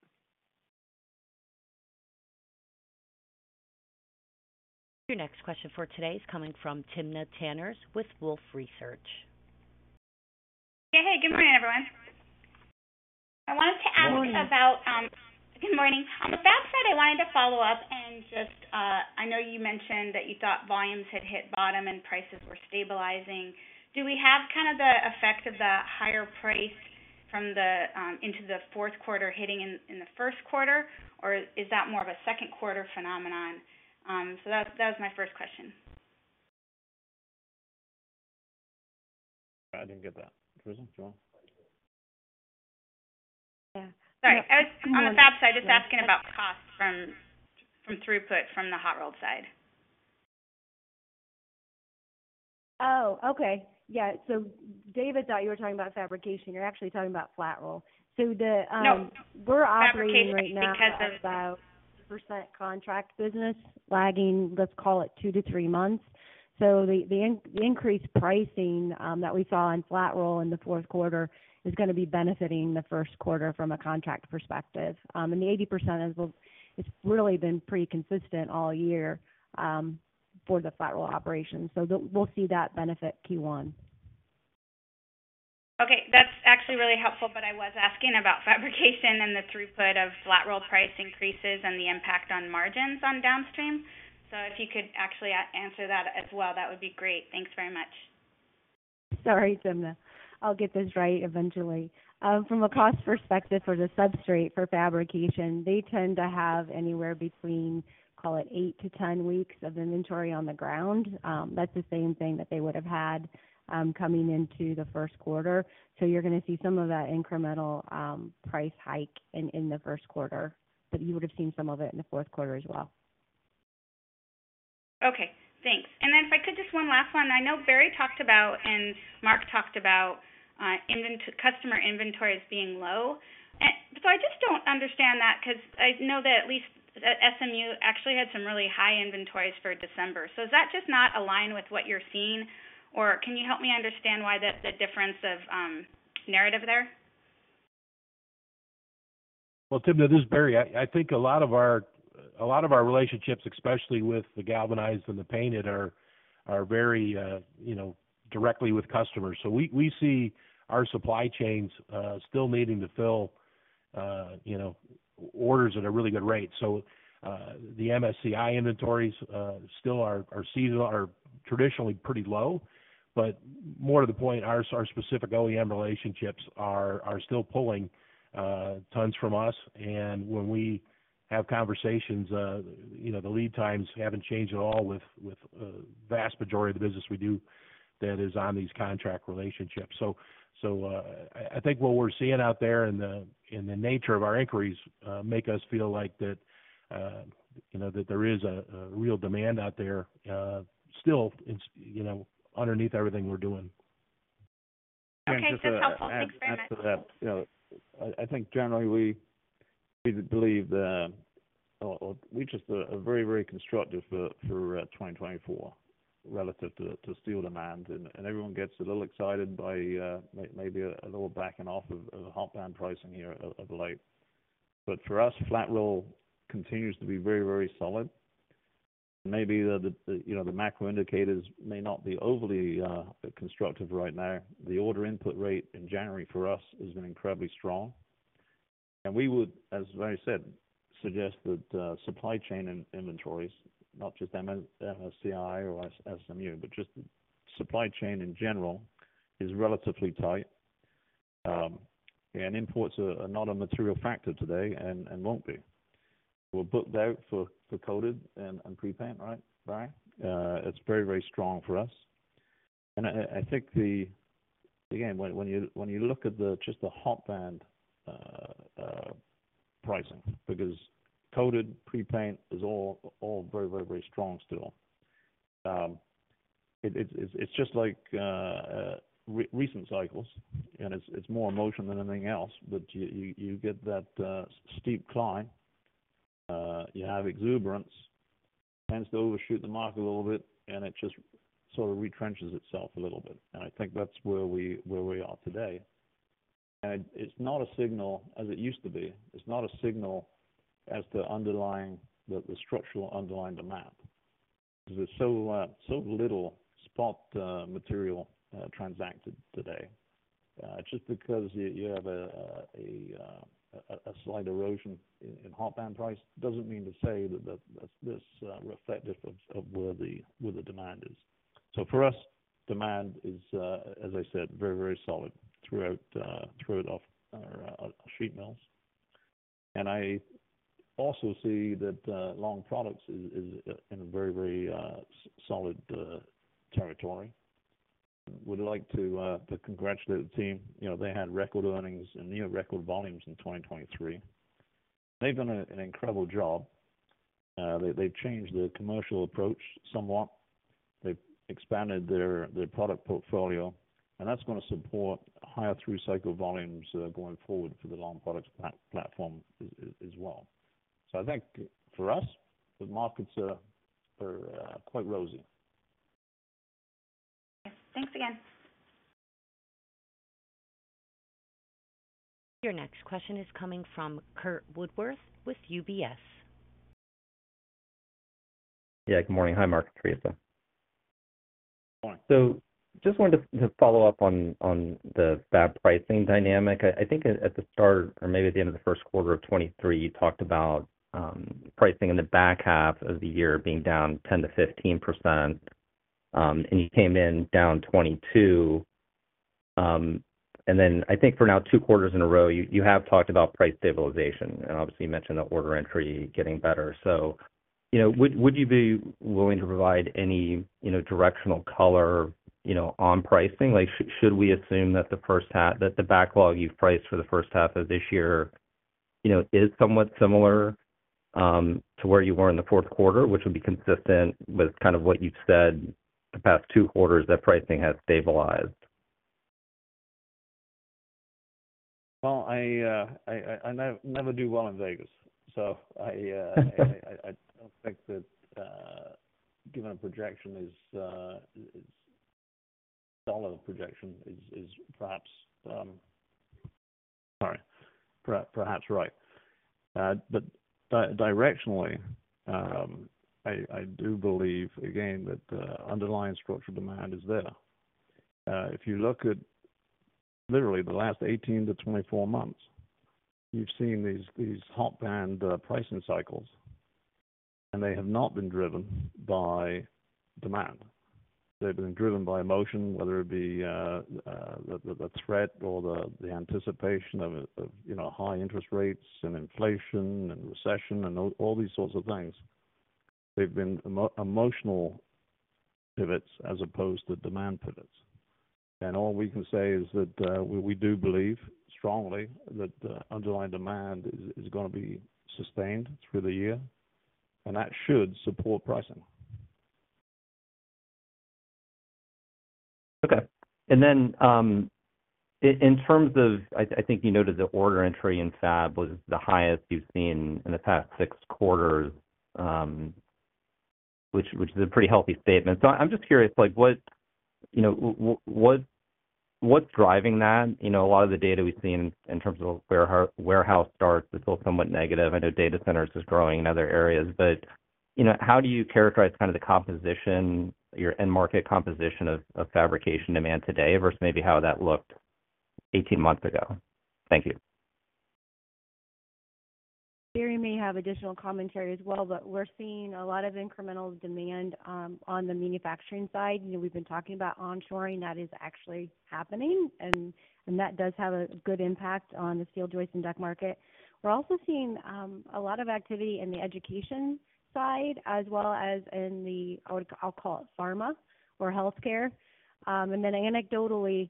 Your next question for today is coming from Timna Tanners with Wolfe Research. Hey, good morning, everyone. I wanted to ask about- Good morning. Good morning. On the fab side, I wanted to follow up and just, I know you mentioned that you thought volumes had hit bottom and prices were stabilizing. Do we have kind of the effect of the higher price from the, into the fourth quarter hitting in the first quarter, or is that more of a second quarter phenomenon? So that was my first question. I didn't get that. Tristan, do you want it? Yeah. Sorry. On the fab side, just asking about costs from throughput, from the hot roll side. Oh, okay. Yeah. So David thought you were talking about fabrication. You're actually talking about flat roll. So the, No... We're operating right now- Fabrication, because of- About 80% contract business lagging, let's call it 2 to 3 months. So the increased pricing that we saw in flat roll in the fourth quarter is gonna be benefiting the first quarter from a contract perspective. And the 80% is, it's really been pretty consistent all year, for the flat roll operations. So we'll see that benefit Q1. Okay, that's actually really helpful. But I was asking about fabrication and the throughput of flat roll price increases and the impact on margins on downstream. So if you could actually answer that as well, that would be great. Thanks very much. Sorry, Timna. I'll get this right eventually. From a cost perspective for the substrate for fabrication, they tend to have anywhere between, call it 8 to 10 weeks of inventory on the ground. That's the same thing that they would have had, coming into the first quarter. So you're gonna see some of that incremental, price hike in the first quarter, but you would have seen some of it in the fourth quarter as well. Okay, thanks. Then if I could, just one last one. I know Barry talked about, and Mark talked about, customer inventories being low. So I just don't understand that, because I know that at least SMU actually had some really high inventories for December. So does that just not align with what you're seeing? Or can you help me understand why the difference of narrative there? Well, Timna, this is Barry. I think a lot of our relationships, especially with the galvanized and the painted, are very, you know, directly with customers. So we see our supply chains still needing to fill, you know, orders at a really good rate. So the MSCI inventories still are traditionally pretty low, but more to the point, our specific OEM relationships are still pulling tons from us. And when we have conversations, you know, the lead times haven't changed at all with vast majority of the business we do that is on these contract relationships. I think what we're seeing out there in the nature of our inquiries make us feel like that, you know, that there is a real demand out there still, it's, you know, underneath everything we're doing.... Okay, just to add to that. You know, I think generally we believe that or we just are very, very constructive for 2024 relative to steel demand. And everyone gets a little excited by maybe a little backing off of the hot band pricing here of late. But for us, flat roll continues to be very, very solid. Maybe the, you know, the macro indicators may not be overly constructive right now. The order input rate in January for us has been incredibly strong. And we would, as Barry said, suggest that supply chain inventories, not just MSCI or SMU, but just supply chain in general, is relatively tight. And imports are not a material factor today and won't be. We're booked out for coated and pre-paint, right, Barry? It's very, very strong for us. And I think the... Again, when you look at just the hot band pricing, because coated pre-paint is all very, very strong still. It's just like recent cycles, and it's more emotion than anything else. But you get that steep climb, you have exuberance, tends to overshoot the mark a little bit, and it just sort of retrenches itself a little bit. And I think that's where we are today. And it's not a signal as it used to be. It's not a signal as to underlying the structural underlying demand, because there's so little spot material transacted today. Just because you have a slight erosion in hot band price doesn't mean to say that this reflective of where the demand is. So for us, demand is, as I said, very, very solid throughout our sheet mills. And I also see that long products is in a very, very solid territory. Would like to congratulate the team. You know, they had record earnings and near record volumes in 2023. They've done an incredible job. They've changed their commercial approach somewhat. They've expanded their product portfolio, and that's going to support higher through-cycle volumes going forward for the long products platform as well. So I think for us, the markets are quite rosy. Thanks again. Your next question is coming from Curt Woodworth with UBS. Yeah, good morning. Hi, Mark, Theresa. Good morning. So just wanted to follow up on the fab pricing dynamic. I think at the start or maybe at the end of the first quarter of 2023, you talked about pricing in the back half of the year being down 10% to 15%, and you came in down 22%. And then I think for now, 2 quarters in a row, you have talked about price stabilization, and obviously you mentioned the order entry getting better. So, you know, would you be willing to provide any, you know, directional color, you know, on pricing? Like, should we assume that the first half—that the backlog you've priced for the first half of this year, you know, is somewhat similar to where you were in the fourth quarter, which would be consistent with kind of what you've said the past two quarters, that pricing has stabilized? Well, I never do well in Vegas, so I don't think that giving a projection is solid projection is perhaps right. But directionally, I do believe, again, that underlying structural demand is there. If you look at literally the last 18 to 24 months, you've seen these hot band pricing cycles, and they have not been driven by demand. They've been driven by emotion, whether it be the threat or the anticipation of, you know, high interest rates and inflation and recession and all these sorts of things. They've been emotional pivots as opposed to demand pivots. And all we can say is that we do believe strongly that the underlying demand is going to be sustained through the year, and that should support pricing. Okay. And then, in terms of... I think you noted the order entry in fab was the highest you've seen in the past six quarters, which is a pretty healthy statement. So I'm just curious, like, what, you know, what's driving that? You know, a lot of the data we've seen in terms of housing starts is still somewhat negative. I know data centers is growing in other areas, but, you know, how do you characterize kind of the composition, your end market composition of fabrication demand today versus maybe how that looked eighteen months ago? Thank you. Barry may have additional commentary as well, but we're seeing a lot of incremental demand on the manufacturing side. You know, we've been talking about onshoring. That is actually happening, and that does have a good impact on the steel joist and deck market. We're also seeing a lot of activity in the education side as well as in the, I would, I'll call it pharma or healthcare. And then anecdotally, we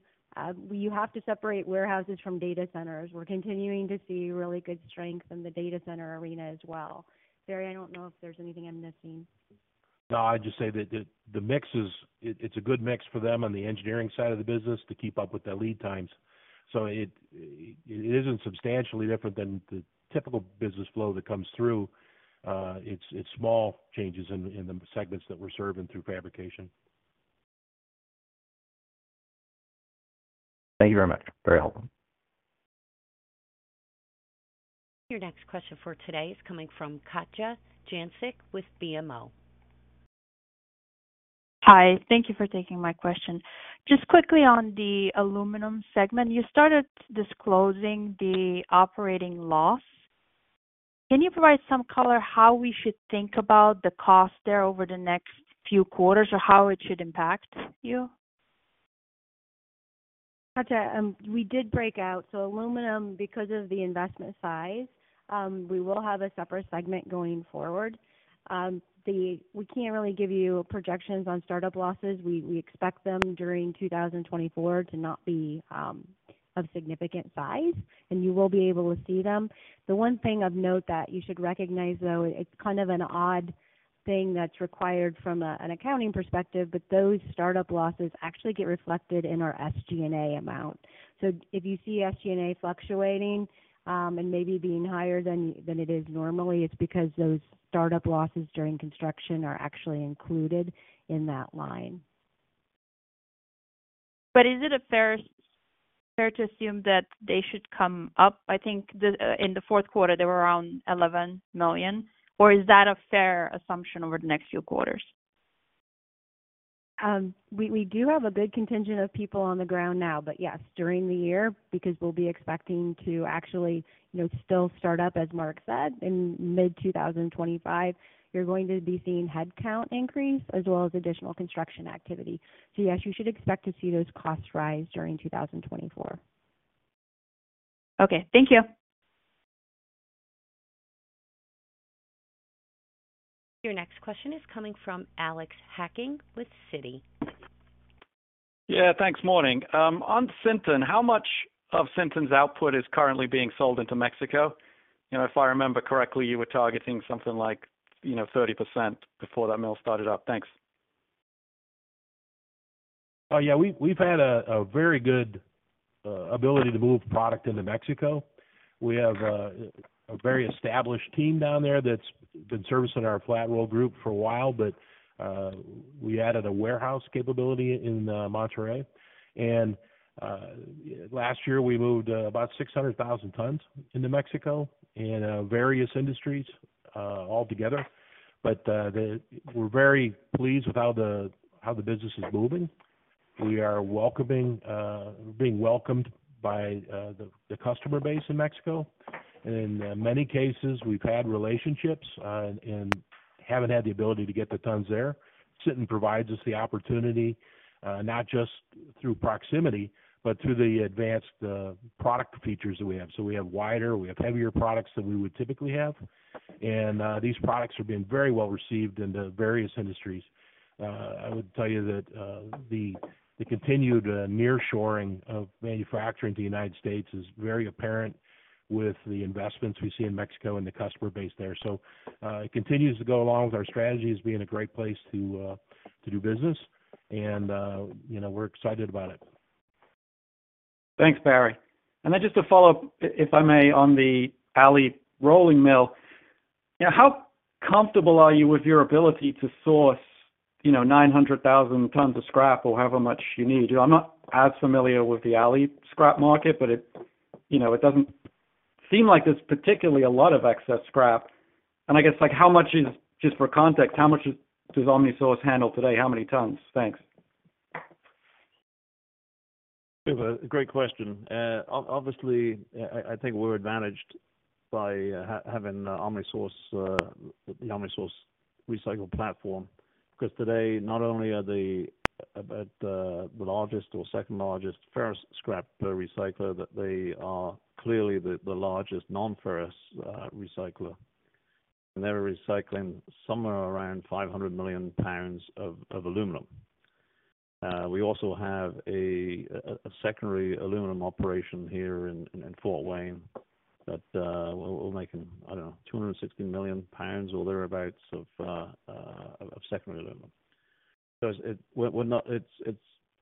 you have to separate warehouses from data centers. We're continuing to see really good strength in the data center arena as well. Barry, I don't know if there's anything I'm missing.... No, I'd just say that the mix is, it's a good mix for them on the engineering side of the business to keep up with their lead times. So it isn't substantially different than the typical business flow that comes through. It's small changes in the segments that we're serving through fabrication. Thank you very much. Very helpful. Your next question for today is coming from Katja Jancic with BMO. Hi, thank you for taking my question. Just quickly on the aluminum segment, you started disclosing the operating loss. Can you provide some color how we should think about the cost there over the next few quarters or how it should impact you? Katja, we did break out. So aluminum, because of the investment size, we will have a separate segment going forward. We can't really give you projections on startup losses. We, we expect them during 2024 to not be, of significant size, and you will be able to see them. The one thing of note that you should recognize, though, it's kind of an odd thing that's required from, an accounting perspective, but those startup losses actually get reflected in our SG&A amount. So if you see SG&A fluctuating, and maybe being higher than, than it is normally, it's because those startup losses during construction are actually included in that line. But is it a fair to assume that they should come up? I think in the fourth quarter, they were around $11 million, or is that a fair assumption over the next few quarters? We do have a good contingent of people on the ground now, but yes, during the year, because we'll be expecting to actually, you know, still start up, as Mark said, in mid-2025. You're going to be seeing headcount increase as well as additional construction activity. So yes, you should expect to see those costs rise during 2024. Okay, thank you. Your next question is coming from Alex Hacking with Citi. Yeah, thanks. Morning. On Sinton, how much of Sinton's output is currently being sold into Mexico? You know, if I remember correctly, you were targeting something like, you know, 30% before that mill started up. Thanks. Oh, yeah, we've had a very good ability to move product into Mexico. We have a very established team down there that's been servicing our flat roll group for a while, but we added a warehouse capability in Monterrey. And last year, we moved about 600,000 tons into Mexico in various industries altogether. But we're very pleased with how the business is moving. We are being welcomed by the customer base in Mexico. And in many cases, we've had relationships and haven't had the ability to get the tons there. Sinton provides us the opportunity not just through proximity, but through the advanced product features that we have. So we have wider, we have heavier products than we would typically have, and these products are being very well received in the various industries. I would tell you that the continued nearshoring of manufacturing to the United States is very apparent with the investments we see in Mexico and the customer base there. So it continues to go along with our strategy as being a great place to do business, and you know, we're excited about it. Thanks, Barry. And then just to follow up, if I may, on the aluminum rolling mill, how comfortable are you with your ability to source, you know, 900,000 tons of scrap or however much you need? I'm not as familiar with the aluminum scrap market, but it, you know, it doesn't seem like there's particularly a lot of excess scrap. And I guess, like, how much is, just for context, how much does OmniSource handle today? How many tons? Thanks. It's a great question. Obviously, I think we're advantaged by having OmniSource, the OmniSource recycle platform, because today, not only are they at the largest or second largest ferrous scrap recycler, that they are clearly the largest non-ferrous recycler. And they're recycling somewhere around 500 million pounds of aluminum. We also have a secondary aluminum operation here in Fort Wayne that we're making, I don't know, 260 million pounds or thereabouts of secondary aluminum. So we're not. It's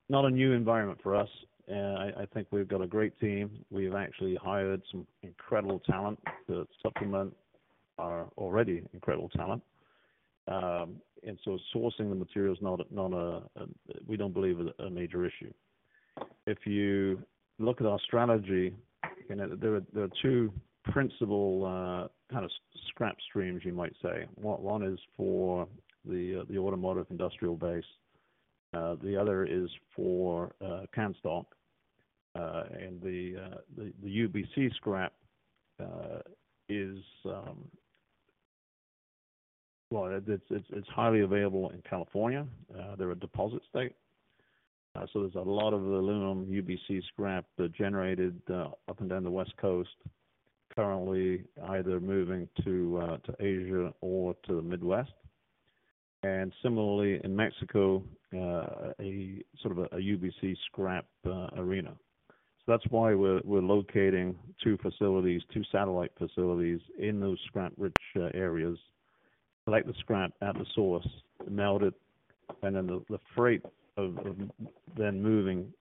not a new environment for us. I think we've got a great team. We've actually hired some incredible talent to supplement our already incredible talent. And so sourcing the material is not a major issue. We don't believe. If you look at our strategy, you know, there are two principal kind of scrap streams, you might say. One is for the automotive industrial base, the other is for can stock. And the UBC scrap is, well, it's highly available in California. They're a deposit state, so there's a lot of aluminum UBC scrap generated up and down the West Coast, currently either moving to Asia or to the Midwest. And similarly, in Mexico, a sort of a UBC scrap arena. So that's why we're locating two facilities, two satellite facilities in those scrap-rich areas. Collect the scrap at the source, melt it, and then the freight of then moving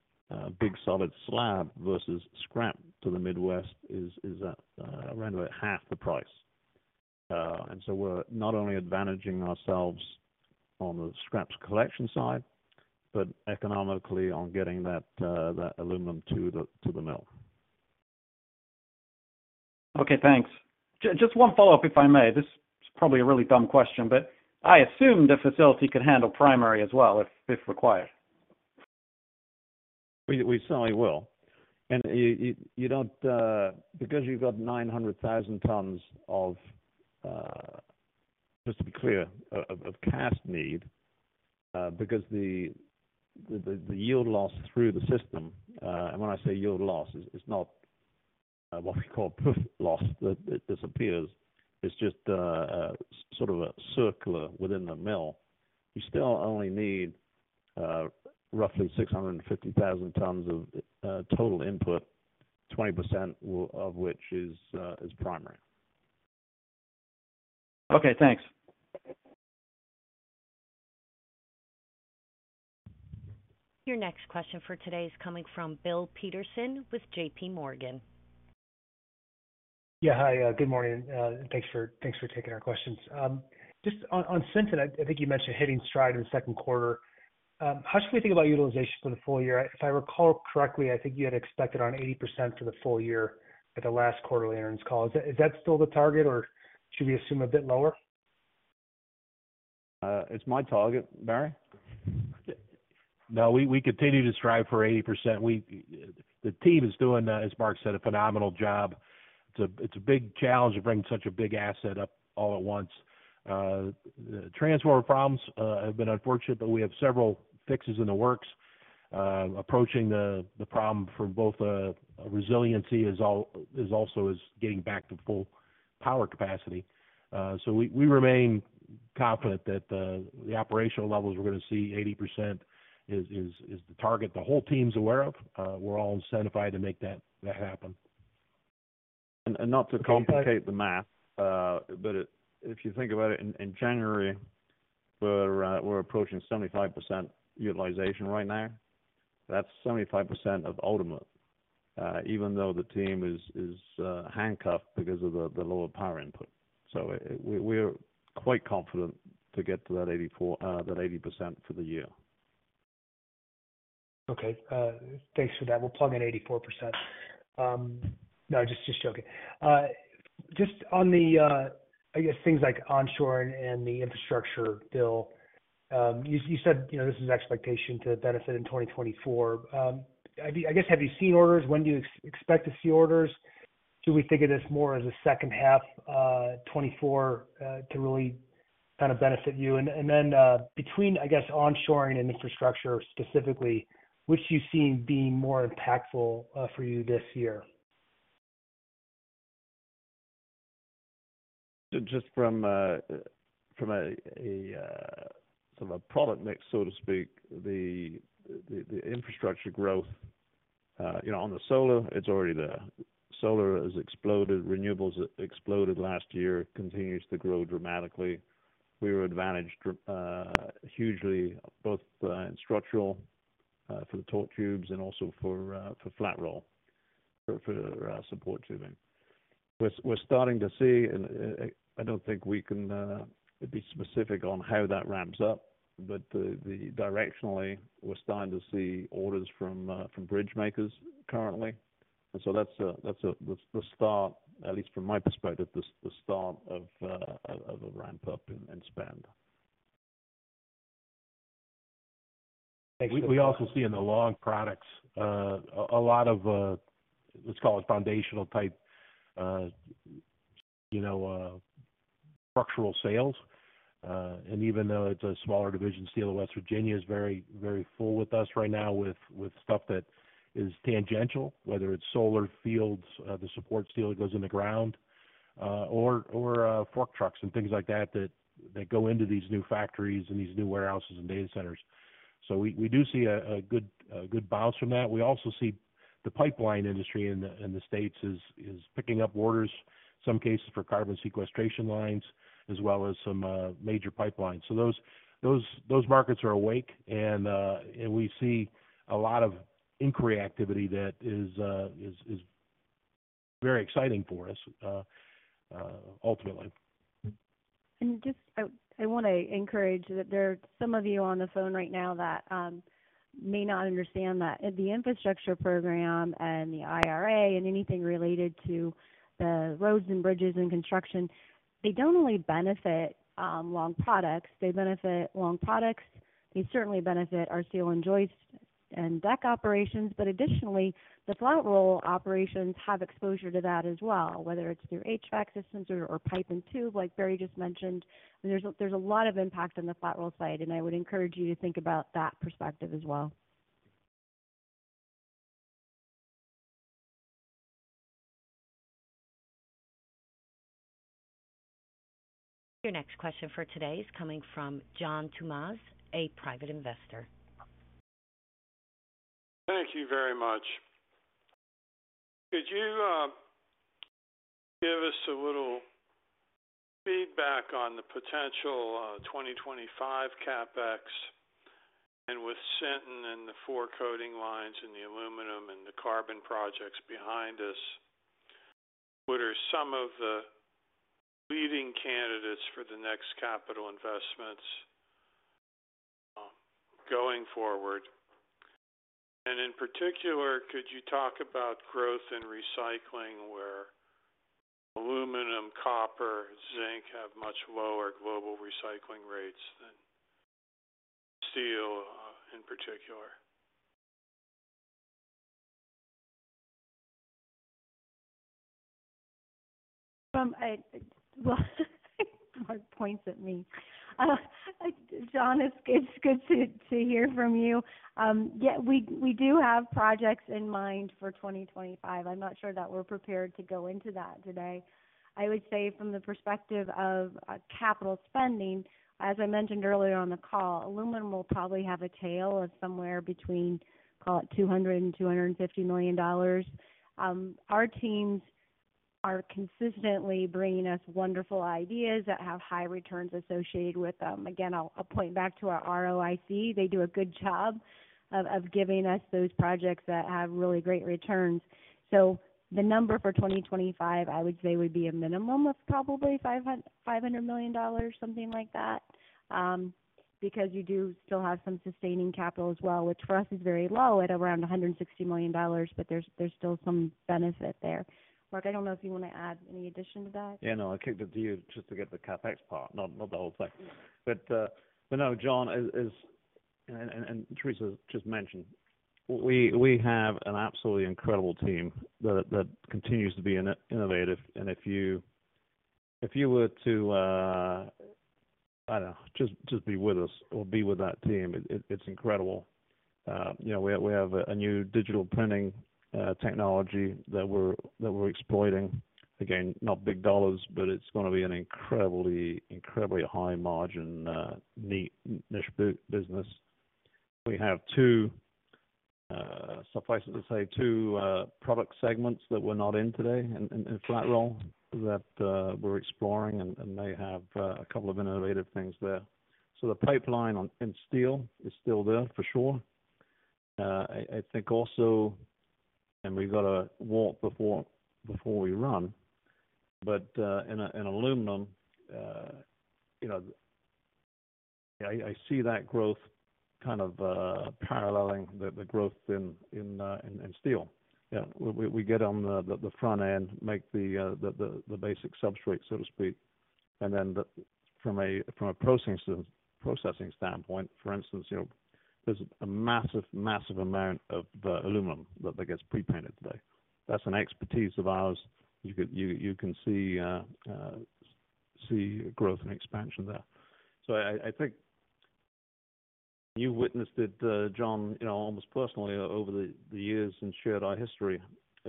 big solid slab versus scrap to the Midwest is at around about half the price. And so we're not only advantaging ourselves on the scraps collection side, but economically on getting that aluminum to the mill. Okay, thanks. Just one follow-up, if I may. This is probably a really dumb question, but I assume the facility can handle primary as well, if required? We certainly will. And you don't, because you've got 900,000 tons of, just to be clear, of cast need, because the yield loss through the system, and when I say yield loss, it's not what we call profit loss, that it disappears. It's just sort of a circular within the mill. You still only need roughly 650,000 tons of total input, 20% of which is primary. Okay, thanks. Your next question for today is coming from Bill Peterson with J.P. Morgan. Yeah. Hi, good morning, and thanks for taking our questions. Just on Sinton, I think you mentioned hitting stride in the second quarter. How should we think about utilization for the full year? If I recall correctly, I think you had expected around 80% for the full year at the last quarterly earnings call. Is that still the target, or should we assume a bit lower? It's my target. Barry? No, we continue to strive for 80%. We, the team is doing, as Mark said, a phenomenal job. It's a big challenge to bring such a big asset up all at once. The transformer problems have been unfortunate, but we have several fixes in the works. Approaching the problem from both resiliency and getting back to full power capacity. So we remain confident that the operational levels we're gonna see, 80% is the target. The whole team's aware of, we're all incentivized to make that happen. And not to complicate the math, but it... If you think about it, in January, we're approaching 75% utilization right now. That's 75% of ultimate, even though the team is handcuffed because of the lower power input. So we're quite confident to get to that 84, that 80% for the year. Okay. Thanks for that. We'll plug in 84%. No, just joking. Just on the, I guess things like onshoring and the infrastructure bill, you said, you know, this is expectation to benefit in 2024. I guess, have you seen orders? When do you expect to see orders? Do we think of this more as a second half 2024 to really kind of benefit you? And then, between, I guess, onshoring and infrastructure specifically, which do you see being more impactful for you this year? Just from a product mix, so to speak, the infrastructure growth, you know, on the solar, it's already there. Solar has exploded. Renewables exploded last year, continues to grow dramatically. We were advantaged hugely, both in structural for the torque tubes and also for flat roll for support tubing. We're starting to see, and I don't think we can be specific on how that ramps up, but directionally, we're starting to see orders from bridge makers currently. And so that's the start, at least from my perspective, the start of a ramp up in spend. Thanks- We also see in the long products a lot of, let's call it, foundational type, you know, structural sales. And even though it's a smaller division, Steel of West Virginia is very, very full with us right now, with stuff that is tangential, whether it's solar fields, the support steel that goes in the ground, or fork trucks and things like that that go into these new factories and these new warehouses and data centers. So we do see a good bounce from that. We also see the pipeline industry in the States is picking up orders, in some cases for carbon sequestration lines, as well as some major pipelines. So those markets are awake and we see a lot of inquiry activity that is very exciting for us, ultimately. I just want to encourage that there are some of you on the phone right now that may not understand that the infrastructure program and the IRA, and anything related to the roads and bridges and construction, they don't only benefit long products. They benefit long products, they certainly benefit our steel joists and deck operations, but additionally, the flat roll operations have exposure to that as well, whether it's through HVAC systems or pipe and tube, like Barry just mentioned. There's a lot of impact on the flat roll side, and I would encourage you to think about that perspective as well. ... Your next question for today is coming from John Tumazos, a private investor. Thank you very much. Could you give us a little feedback on the potential 2025 CapEx, and with Sinton and the four coating lines and the aluminum and the carbon projects behind us, what are some of the leading candidates for the next capital investments going forward? And in particular, could you talk about growth in recycling, where aluminum, copper, zinc have much lower global recycling rates than steel in particular? Well, Mark points at me. John, it's good to hear from you. Yeah, we do have projects in mind for 2025. I'm not sure that we're prepared to go into that today. I would say from the perspective of capital spending, as I mentioned earlier on the call, aluminum will probably have a tail of somewhere between, call it $200 million to $250 million. Our teams are consistently bringing us wonderful ideas that have high returns associated with them. Again, I'll point back to our ROIC. They do a good job of giving us those projects that have really great returns. So the number for 2025, I would say, would be a minimum of probably $500 million, something like that. Because you do still have some sustaining capital as well, which for us is very low at around $160 million, but there's still some benefit there. Mark, I don't know if you want to add any addition to that. Yeah, no, I kicked it to you just to get the CapEx part, not the whole thing. But no, John is. And Theresa just mentioned, we have an absolutely incredible team that continues to be innovative. And if you were to, I don't know, just be with us or be with that team, it's incredible. You know, we have a new digital printing technology that we're exploiting. Again, not big dollars, but it's gonna be an incredibly high margin neat niche business. We have two. Suffice it to say, two product segments that we're not in today in flat roll that we're exploring, and they have a couple of innovative things there. So the pipeline on, in steel is still there for sure. I think also, and we've got to walk before we run, but in aluminum, you know, I see that growth kind of paralleling the growth in steel. Yeah, we get on the front end, make the basic substrate, so to speak, and then from a processing standpoint, for instance, you know, there's a massive amount of aluminum that gets pre-painted today. That's an expertise of ours. You can see growth and expansion there. So I think you witnessed it, John, you know, almost personally over the years and shared our history,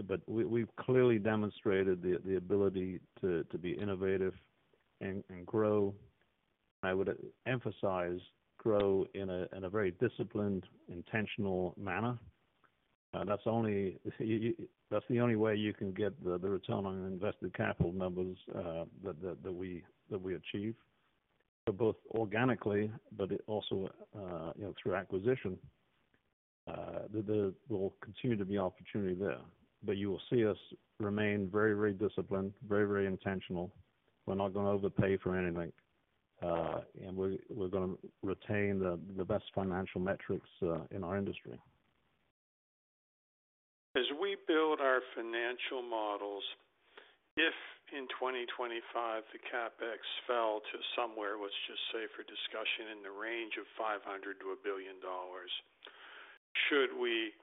but we've clearly demonstrated the ability to be innovative and grow. I would emphasize, grow in a very disciplined, intentional manner. That's the only way you can get the return on invested capital numbers that we achieve. But both organically, but it also, you know, through acquisition, there will continue to be opportunity there. But you will see us remain very, very disciplined, very, very intentional. We're not gonna overpay for anything, and we're gonna retain the best financial metrics in our industry. As we build our financial models, if in 2025, the CapEx fell to somewhere, let's just say for discussion, in the range of $500 million to $1 billion, should we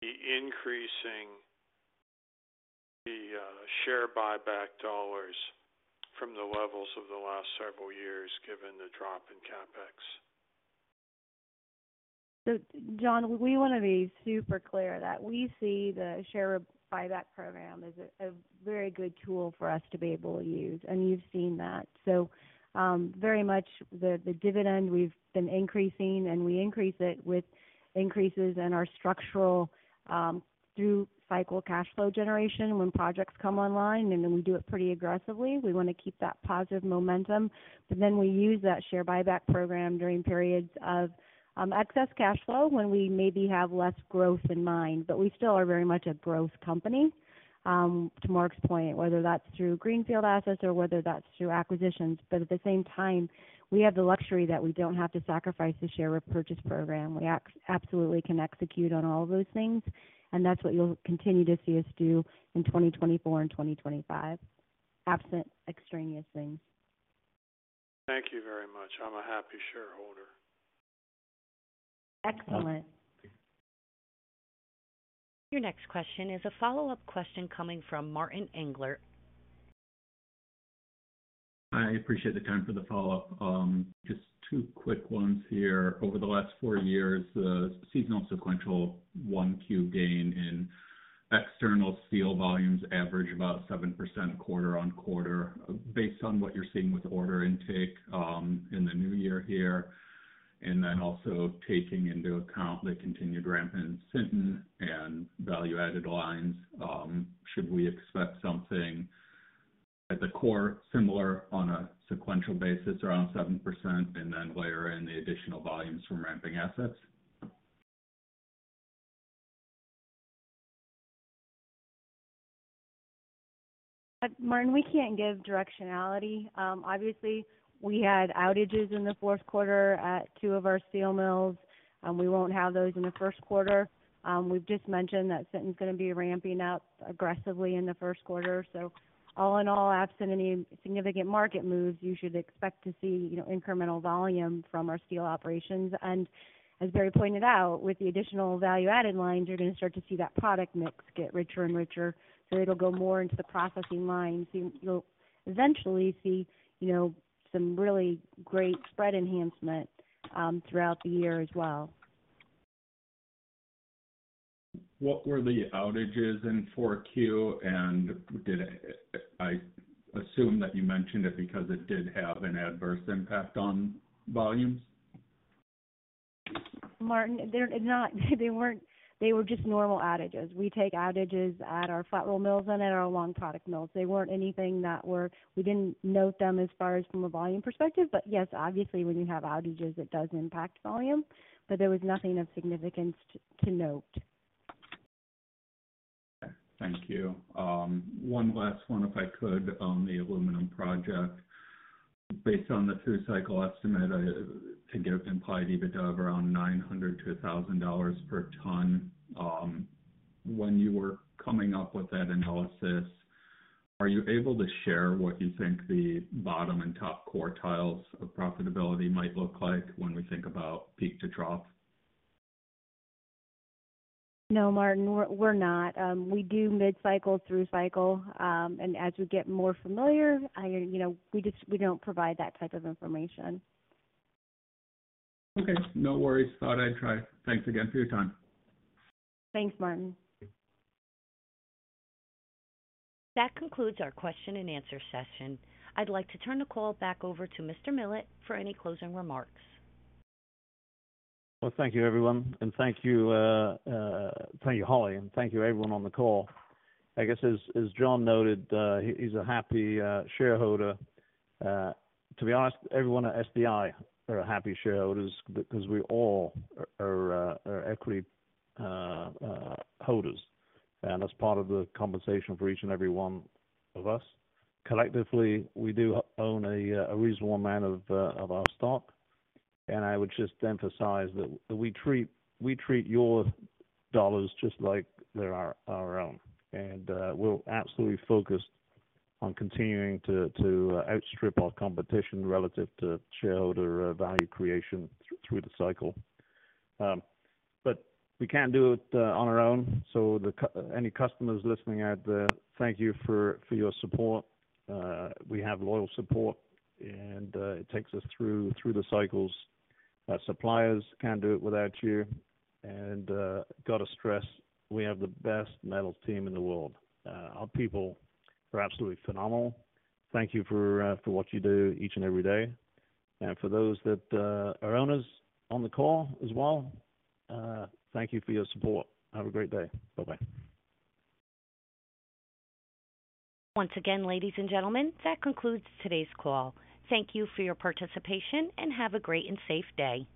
be increasing the share buyback dollars from the levels of the last several years, given the drop in CapEx? So, John, we want to be super clear that we see the share buyback program as a very good tool for us to be able to use, and you've seen that. So, very much the dividend we've been increasing, and we increase it with increases in our structural through cycle cash flow generation when projects come online, and then we do it pretty aggressively. We want to keep that positive momentum, but then we use that share buyback program during periods of excess cash flow, when we maybe have less growth in mind. But we still are very much a growth company, to Mark's point, whether that's through greenfield assets or whether that's through acquisitions. But at the same time, we have the luxury that we don't have to sacrifice the share repurchase program. We absolutely can execute on all of those things, and that's what you'll continue to see us do in 2024 and 2025, absent extraneous things. Thank you very much. I'm a happy shareholder. Excellent. Your next question is a follow-up question coming from Martin Englert. I appreciate the time for the follow-up. Just two quick ones here. Over the last 4 years, the seasonal sequential 1Q gain in external steel volume average about 7% quarter-on-quarter, based on what you're seeing with order intake, in the new year here, and then also taking into account the continued ramp in Sinton and value-added lines, should we expect something at the core, similar on a sequential basis, around 7%, and then layer in the additional volumes from ramping assets? Martin, we can't give directionality. Obviously, we had outages in the fourth quarter at 2 of our steel mills, and we won't have those in the first quarter. We've just mentioned that Sinton is gonna be ramping up aggressively in the first quarter. So all in all, absent any significant market moves, you should expect to see, you know, incremental volume from our steel operations. And as Barry pointed out, with the additional value-added lines, you're going to start to see that product mix get richer and richer. So it'll go more into the processing lines. You'll eventually see, you know, some really great spread enhancement throughout the year as well. What were the outages in 4Q? And I assume that you mentioned it because it did have an adverse impact on volumes. Martin, they're not—they weren't. They were just normal outages. We take outages at our flat roll mills and at our long product mills. They weren't anything that were... We didn't note them as far as from a volume perspective. But yes, obviously, when you have outages, it does impact volume, but there was nothing of significance to note. Thank you. One last one, if I could, on the aluminum project. Based on the through cycle estimate, I take it, implied EBITDA of around $900 to $1,000 per ton. When you were coming up with that analysis, are you able to share what you think the bottom and top quartiles of profitability might look like when we think about peak to trough? No, Martin, we're not. We do mid-cycle, through cycle, and as we get more familiar, you know, we just don't provide that type of information. Okay, no worries. Thought I'd try. Thanks again for your time. Thanks, Martin. That concludes our question and answer session. I'd like to turn the call back over to Mr. Millett for any closing remarks. Well, thank you, everyone, and thank you, thank you, Holly, and thank you everyone on the call. I guess, as, as John noted, he's a happy, shareholder. To be honest, everyone at SDI are happy shareholders because we all are, are equity, holders. And as part of the conversation for each and every one of us, collectively, we do own a, reasonable amount of, of our stock. And I would just emphasize that we treat, we treat your dollars just like they're our, our own. And, we're absolutely focused on continuing to, to outstrip our competition relative to shareholder value creation through the cycle. But we can't do it, on our own. So any customers listening out there, thank you for, for your support. We have loyal support, and it takes us through, through the cycles. Our suppliers, can't do it without you. And got to stress, we have the best metal team in the world. Our people are absolutely phenomenal. Thank you for, for what you do each and every day. And for those that are owners on the call as well, thank you for your support. Have a great day. Bye-bye. Once again, ladies and gentlemen, that concludes today's call. Thank you for your participation, and have a great and safe day.